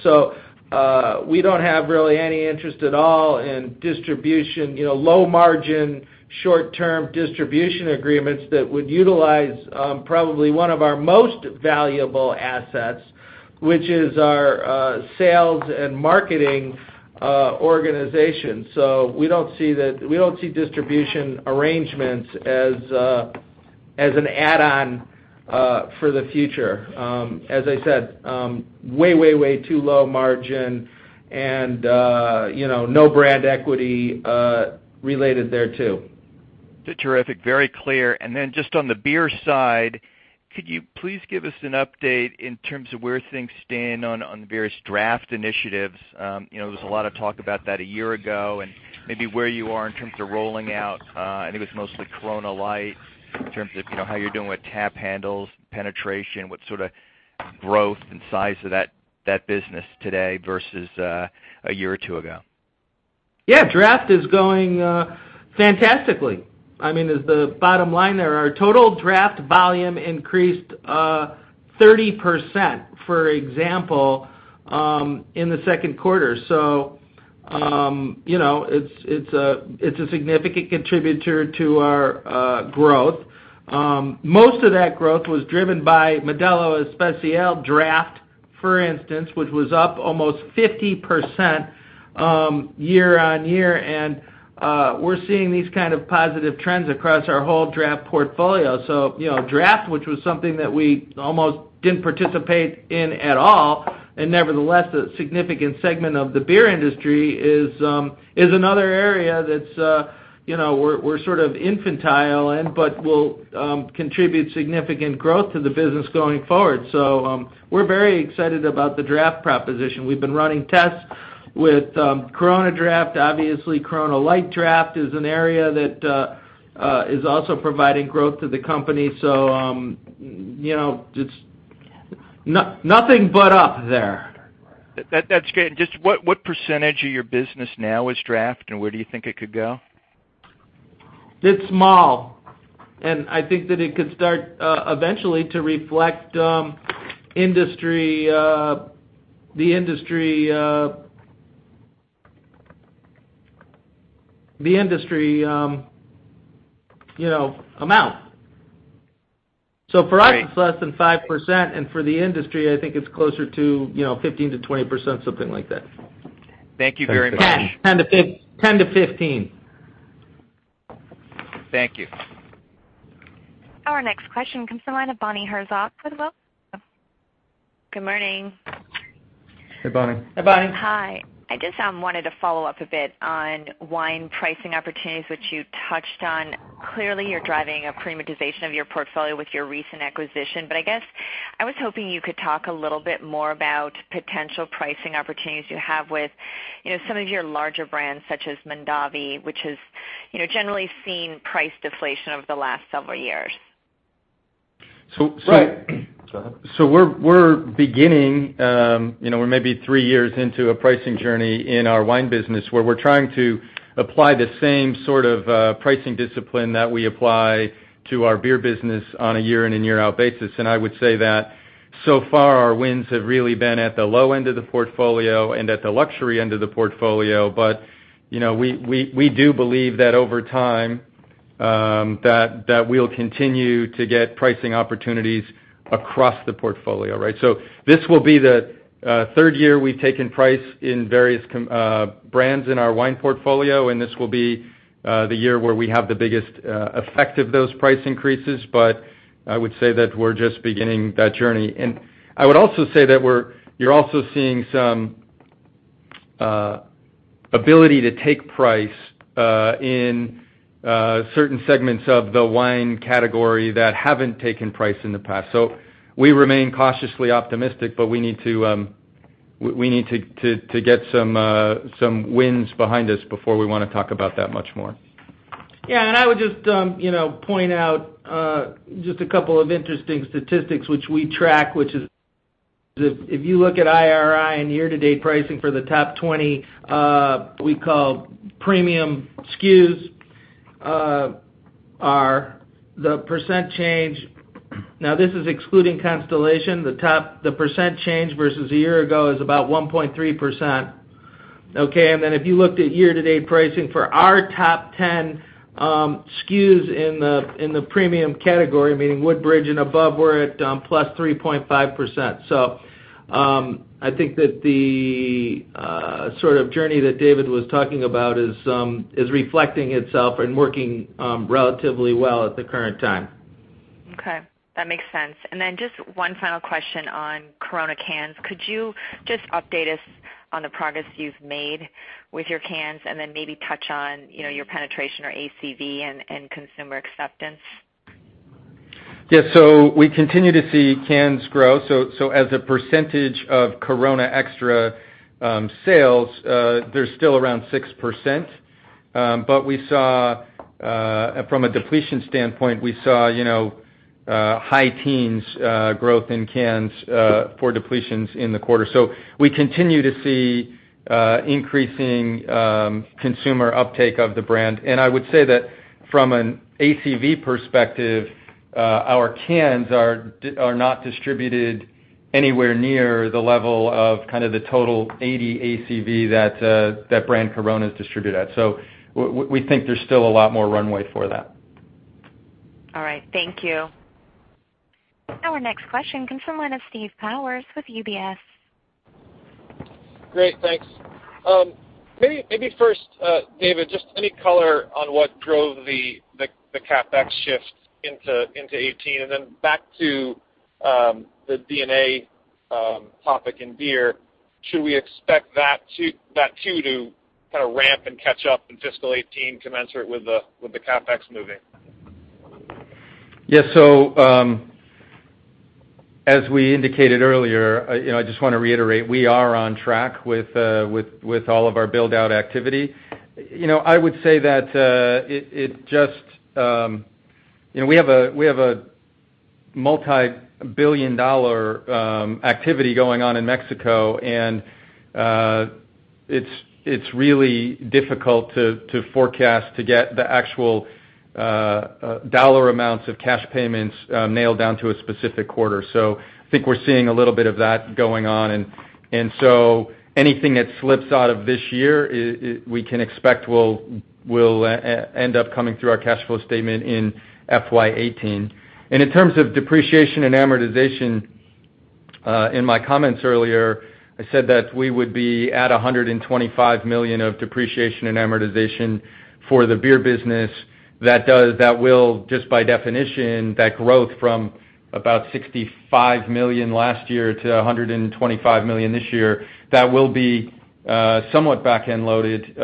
We don't have really any interest at all in distribution, low margin, short-term distribution agreements that would utilize probably one of our most valuable assets, which is our sales and marketing organization. We don't see distribution arrangements as an add-on for the future. As I said, way too low margin and no brand equity related there, too. Terrific. Very clear. Then just on the beer side, could you please give us an update in terms of where things stand on the various draft initiatives? There was a lot of talk about that a year ago, and maybe where you are in terms of rolling out, I think it was mostly Corona Light, in terms of how you're doing with tap handles, penetration, what sort of growth and size of that business today versus a year or two ago. Yeah. Draft is going fantastically. The bottom line there, our total draft volume increased 30%, for example, in the second quarter. It's a significant contributor to our growth. Most of that growth was driven by Modelo Especial draft, for instance, which was up almost 50% year-over-year. We're seeing these kind of positive trends across our whole draft portfolio. Draft, which was something that we almost didn't participate in at all, and nevertheless, a significant segment of the beer industry, is another area that we're sort of infantile in, but will contribute significant growth to the business going forward. We're very excited about the draft proposition. We've been running tests with Corona Draft. Obviously, Corona Light draft is an area that is also providing growth to the company. It's nothing but up there. That's great. Just what percentage of your business now is draft, and where do you think it could go? It's small, and I think that it could start eventually to reflect the industry amount. For us, it's less than 5%, and for the industry, I think it's closer to 15%-20%, something like that. Thank you very much. 10%-15%. Thank you. Our next question comes to the line of Bonnie Herzog. Please go ahead. Good morning. Hey, Bonnie. Hey, Bonnie. Hi. I just wanted to follow up a bit on wine pricing opportunities, which you touched on. Clearly, you're driving a premiumization of your portfolio with your recent acquisition. I guess I was hoping you could talk a little bit more about potential pricing opportunities you have with some of your larger brands, such as Mondavi, which has generally seen price deflation over the last several years. We're maybe three years into a pricing journey in our wine business, where we're trying to apply the same sort of pricing discipline that we apply to our beer business on a year in and year out basis. I would say that so far, our wins have really been at the low end of the portfolio and at the luxury end of the portfolio. We do believe that over time, that we'll continue to get pricing opportunities across the portfolio, right? This will be the third year we've taken price in various brands in our wine portfolio, and this will be the year where we have the biggest effect of those price increases. I would say that we're just beginning that journey. I would also say that you're also seeing some ability to take price in certain segments of the wine category that haven't taken price in the past. We remain cautiously optimistic. We need to get some wins behind us before we want to talk about that much more. Yeah, I would just point out just a couple of interesting statistics which we track, which is if you look at IRI and year-to-date pricing for the top 20, we call premium SKUs, are the % change. This is excluding Constellation. The % change versus a year ago is about 1.3%. Okay. Then if you looked at year-to-date pricing for our top 10 SKUs in the premium category, meaning Woodbridge and above, we're at +3.5%. I think that the sort of journey that David was talking about is reflecting itself and working relatively well at the current time. Okay. That makes sense. Then just one final question on Corona cans. Could you just update us on the progress you've made with your cans, then maybe touch on your penetration or ACV and consumer acceptance? Yeah. We continue to see cans grow. As a percentage of Corona Extra sales, they're still around 6%. From a depletion standpoint, we saw high teens growth in cans for depletions in the quarter. We continue to see increasing consumer uptake of the brand. I would say that from an ACV perspective, our cans are not distributed anywhere near the level of kind of the total 80 ACV that brand Corona is distributed at. We think there's still a lot more runway for that. All right. Thank you. Our next question comes from the line of Steve Powers with UBS. Great. Thanks. Maybe first, David, just any color on what drove the CapEx shift into 2018, and then back to the D&A topic in beer. Should we expect that too to kind of ramp and catch up in fiscal 2018 commensurate with the CapEx moving? Yeah. As we indicated earlier, I just want to reiterate, we are on track with all of our build-out activity. I would say that we have a multi-billion dollar activity going on in Mexico, and it's really difficult to forecast to get the actual dollar amounts of cash payments nailed down to a specific quarter. I think we're seeing a little bit of that going on. Anything that slips out of this year, we can expect will end up coming through our cash flow statement in FY 2018. In terms of depreciation and amortization, in my comments earlier, I said that we would be at $125 million of depreciation and amortization for the beer business. Just by definition, that growth from about $65 million last year to $125 million this year, that will be somewhat back-end loaded,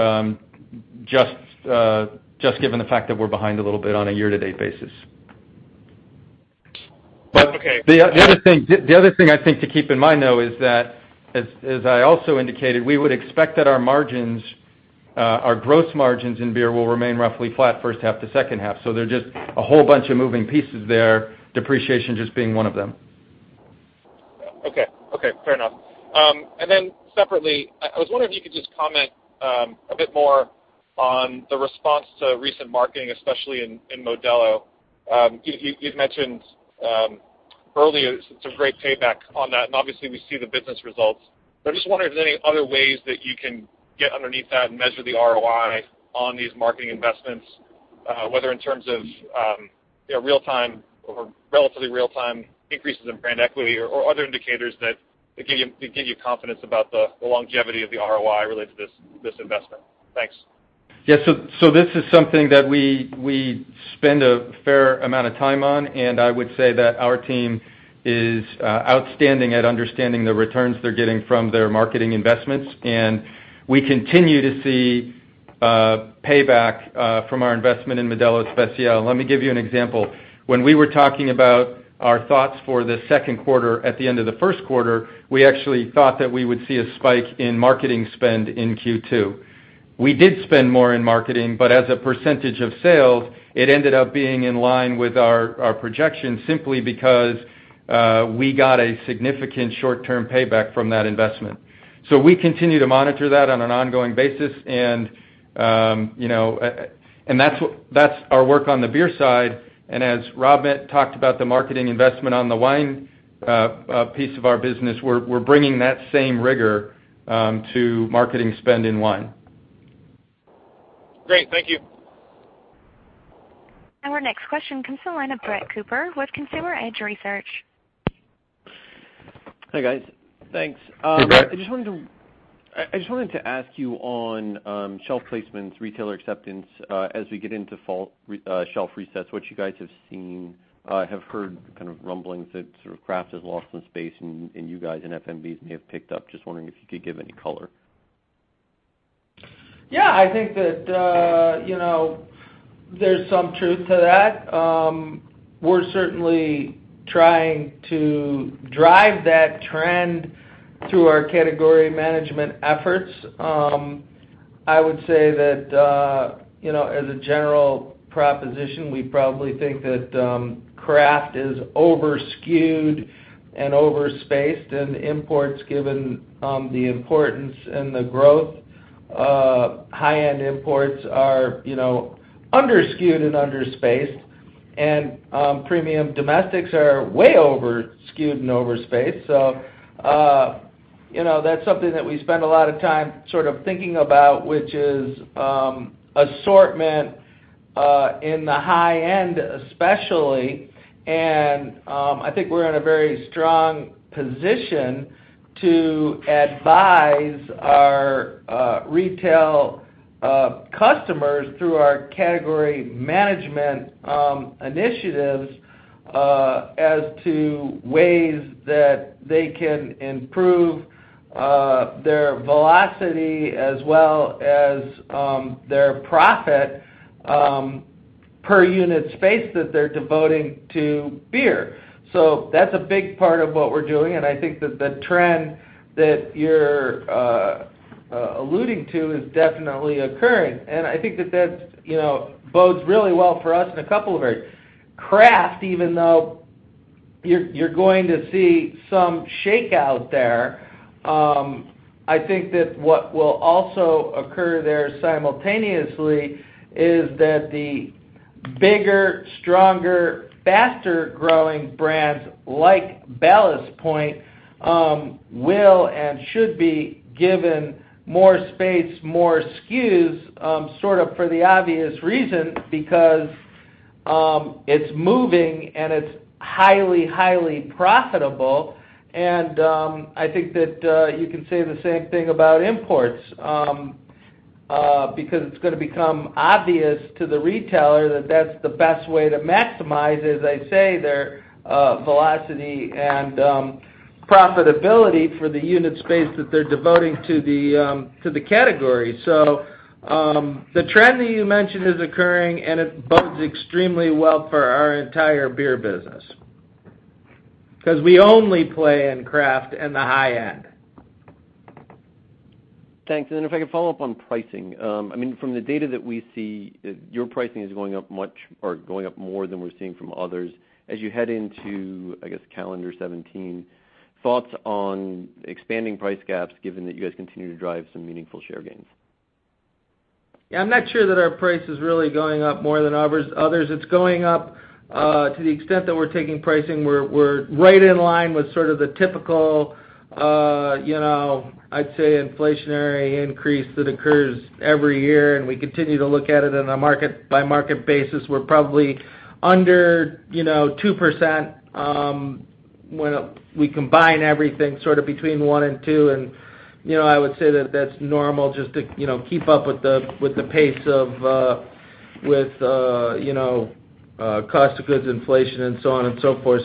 just given the fact that we're behind a little bit on a year-to-date basis. Okay. The other thing I think to keep in mind, though, is that, as I also indicated, we would expect that our margins, our gross margins in beer will remain roughly flat first half to second half. There are just a whole bunch of moving pieces there, depreciation just being one of them. Okay. Fair enough. Separately, I was wondering if you could just comment a bit more on the response to recent marketing, especially in Modelo. You'd mentioned earlier some great payback on that, and obviously, we see the business results. I just wonder if there's any other ways that you can get underneath that and measure the ROI on these marketing investments, whether in terms of real time or relatively real time increases in brand equity or other indicators that give you confidence about the longevity of the ROI related to this investment. Thanks. Yes. This is something that we spend a fair amount of time on, and I would say that our team is outstanding at understanding the returns they're getting from their marketing investments. We continue to see payback from our investment in Modelo Especial. Let me give you an example. When we were talking about our thoughts for the second quarter at the end of the first quarter, we actually thought that we would see a spike in marketing spend in Q2. We did spend more in marketing, but as a % of sales, it ended up being in line with our projections simply because we got a significant short-term payback from that investment. We continue to monitor that on an ongoing basis, and that's our work on the beer side. As Rob talked about the marketing investment on the wine piece of our business, we're bringing that same rigor to marketing spend in wine. Great. Thank you. Our next question comes from the line of Brett Cooper with Consumer Edge Research. Hi, guys. Thanks. Hey, Brett. I just wanted to ask you on shelf placements, retailer acceptance, as we get into fall shelf resets, what you guys have seen. I have heard kind of rumblings that craft has lost some space, and you guys and FMBs may have picked up. Just wondering if you could give any color. Yeah, I think that there's some truth to that. We're certainly trying to drive that trend through our category management efforts. I would say that as a general proposition, we probably think that craft is over-skewed and over-spaced, and imports, given the importance and the growth of high-end imports are under-skewed and under-spaced. Premium domestics are way over-skewed and over-spaced. That's something that we spend a lot of time thinking about, which is assortment in the high end especially, and I think we're in a very strong position to advise our retail customers through our category management initiatives as to ways that they can improve their velocity as well as their profit per unit space that they're devoting to beer. That's a big part of what we're doing, and I think that the trend that you're alluding to is definitely occurring. I think that bodes really well for us in a couple of areas. Craft, even though you're going to see some shakeout there, I think that what will also occur there simultaneously is that the bigger, stronger, faster-growing brands like Ballast Point will and should be given more space, more SKUs, for the obvious reason, because it's moving and it's highly profitable. I think that you can say the same thing about imports, because it's going to become obvious to the retailer that that's the best way to maximize, as I say, their velocity and profitability for the unit space that they're devoting to the category. The trend that you mentioned is occurring, and it bodes extremely well for our entire beer business, because we only play in craft and the high end. Thanks. If I could follow up on pricing. From the data that we see, your pricing is going up more than we're seeing from others. As you head into, I guess, calendar 2017, thoughts on expanding price gaps given that you guys continue to drive some meaningful share gains? I'm not sure that our price is really going up more than others. It's going up to the extent that we're taking pricing. We're right in line with sort of the typical I'd say inflationary increase that occurs every year, and we continue to look at it on a market by market basis. We're probably under 2% when we combine everything sort of between one and two, and I would say that that's normal just to keep up with the pace of COGS inflation and so on and so forth.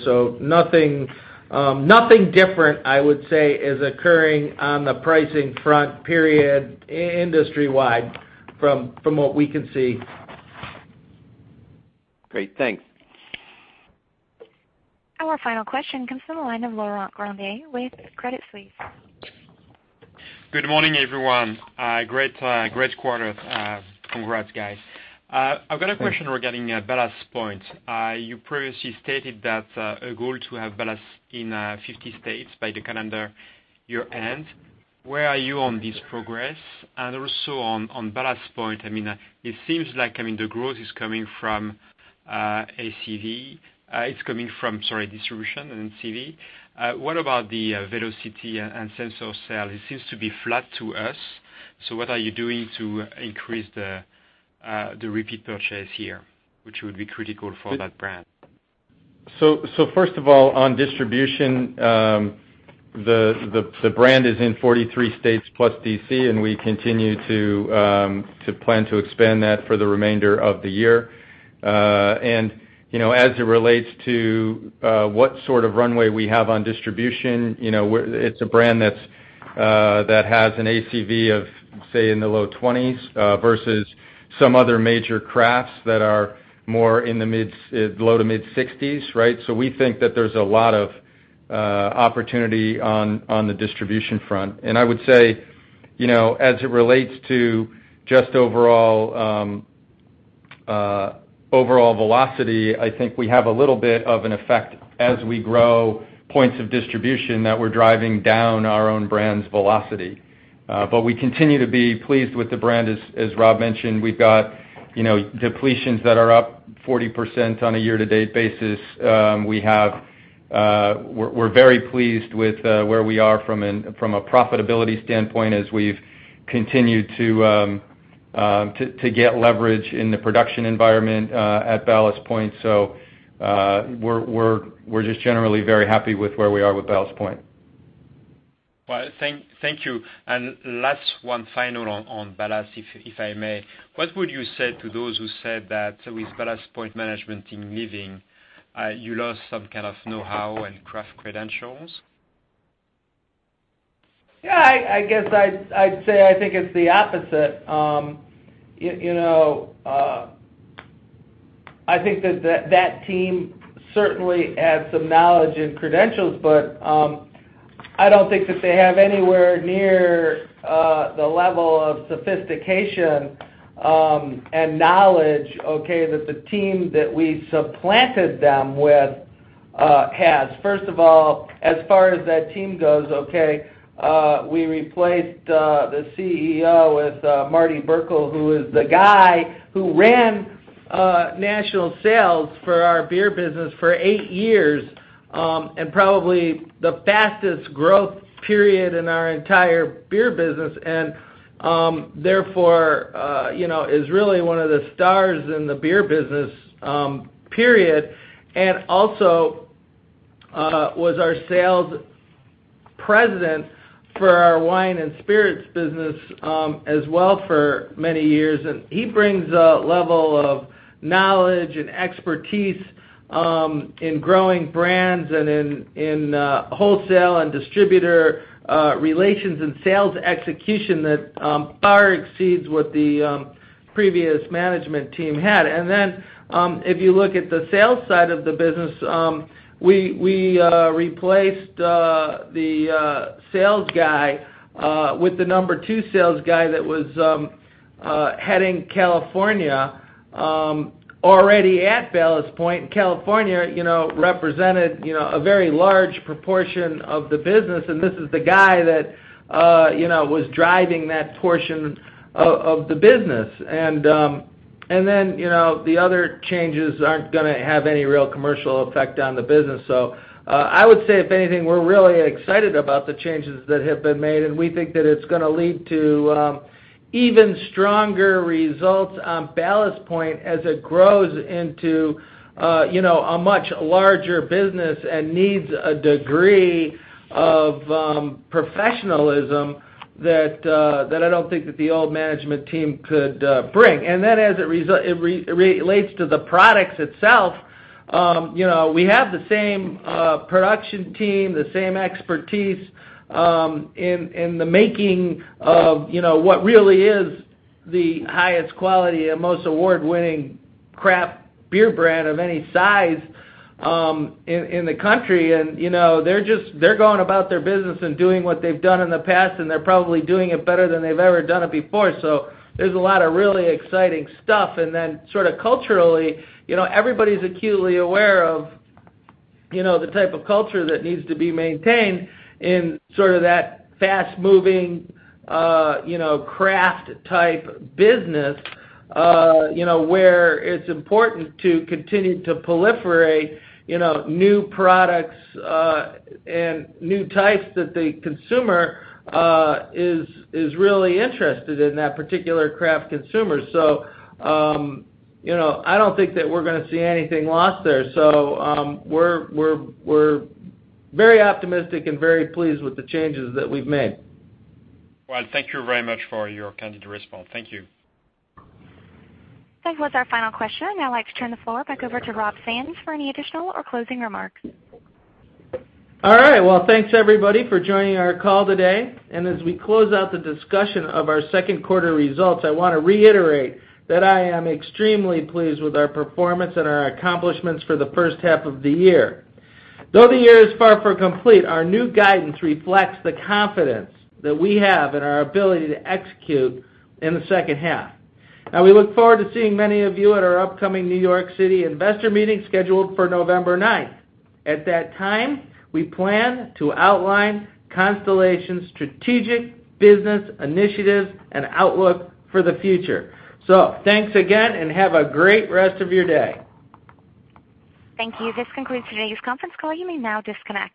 Nothing different, I would say is occurring on the pricing front, period, industry-wide from what we can see. Great. Thanks. Our final question comes from the line of Laurent Grandet with Credit Suisse. Good morning, everyone. Great quarter. Congrats, guys. Thanks. I've got a question regarding Ballast Point. You previously stated that a goal to have Ballast in 50 states by the calendar year end. Where are you on this progress? Also on Ballast Point, it seems like the growth is coming from ACV-- it's coming from, sorry, distribution and ACV. What about the velocity and rate of sale? It seems to be flat to us. What are you doing to increase the repeat purchase here, which would be critical for that brand? First of all, on distribution, the brand is in 43 states plus D.C., and we continue to plan to expand that for the remainder of the year. As it relates to what sort of runway we have on distribution, it's a brand that has an ACV of, say, in the low 20s versus some other major crafts that are more in the low to mid-60s, right? We think that there's a lot of opportunity on the distribution front. I would say, as it relates to just overall velocity, I think we have a little bit of an effect as we grow points of distribution that we're driving down our own brand's velocity. We continue to be pleased with the brand. As Rob mentioned, we've got depletions that are up 40% on a year-to-date basis. We're very pleased with where we are from a profitability standpoint as we've continued to get leverage in the production environment at Ballast Point. We're just generally very happy with where we are with Ballast Point. Well, thank you. Last one final on Ballast, if I may. What would you say to those who said that with Ballast Point management team leaving, you lost some kind of know-how and craft credentials? Yeah, I guess I'd say I think it's the opposite. I think that that team certainly had some knowledge and credentials, but I don't think that they have anywhere near the level of sophistication and knowledge that the team that we supplanted them with has. First of all, as far as that team goes, we replaced the CEO with Marty Birkel, who is the guy who ran national sales for our beer business for 8 years, and probably the fastest growth period in our entire beer business. Therefore, is really one of the stars in the beer business, period. Also was our sales president for our wine and spirits business as well for many years. He brings a level of knowledge and expertise in growing brands and in wholesale and distributor relations and sales execution that far exceeds what the previous management team had. Then, if you look at the sales side of the business, we replaced the sales guy with the number 2 sales guy that was heading California already at Ballast Point. California represented a very large proportion of the business, and this is the guy that was driving that portion of the business. Then the other changes aren't going to have any real commercial effect on the business. I would say, if anything, we're really excited about the changes that have been made, and we think that it's going to lead to even stronger results on Ballast Point as it grows into a much larger business and needs a degree of professionalism that I don't think that the old management team could bring. Then as it relates to the products itself, we have the same production team, the same expertise in the making of what really is the highest quality and most award-winning craft beer brand of any size in the country. They're going about their business and doing what they've done in the past, and they're probably doing it better than they've ever done it before. There's a lot of really exciting stuff. Then sort of culturally, everybody's acutely aware of the type of culture that needs to be maintained in sort of that fast-moving, craft type business, where it's important to continue to proliferate new products and new types that the consumer is really interested in, that particular craft consumer. I don't think that we're going to see anything lost there. We're very optimistic and very pleased with the changes that we've made. Well, thank you very much for your candid response. Thank you. That was our final question. I'd now like to turn the floor back over to Rob Sands for any additional or closing remarks. All right. Well, thanks everybody for joining our call today. As we close out the discussion of our second quarter results, I want to reiterate that I am extremely pleased with our performance and our accomplishments for the first half of the year. Though the year is far from complete, our new guidance reflects the confidence that we have in our ability to execute in the second half. Now, we look forward to seeing many of you at our upcoming New York City investor meeting scheduled for November 9th. At that time, we plan to outline Constellation's strategic business initiatives and outlook for the future. Thanks again, and have a great rest of your day. Thank you. This concludes today's conference call. You may now disconnect.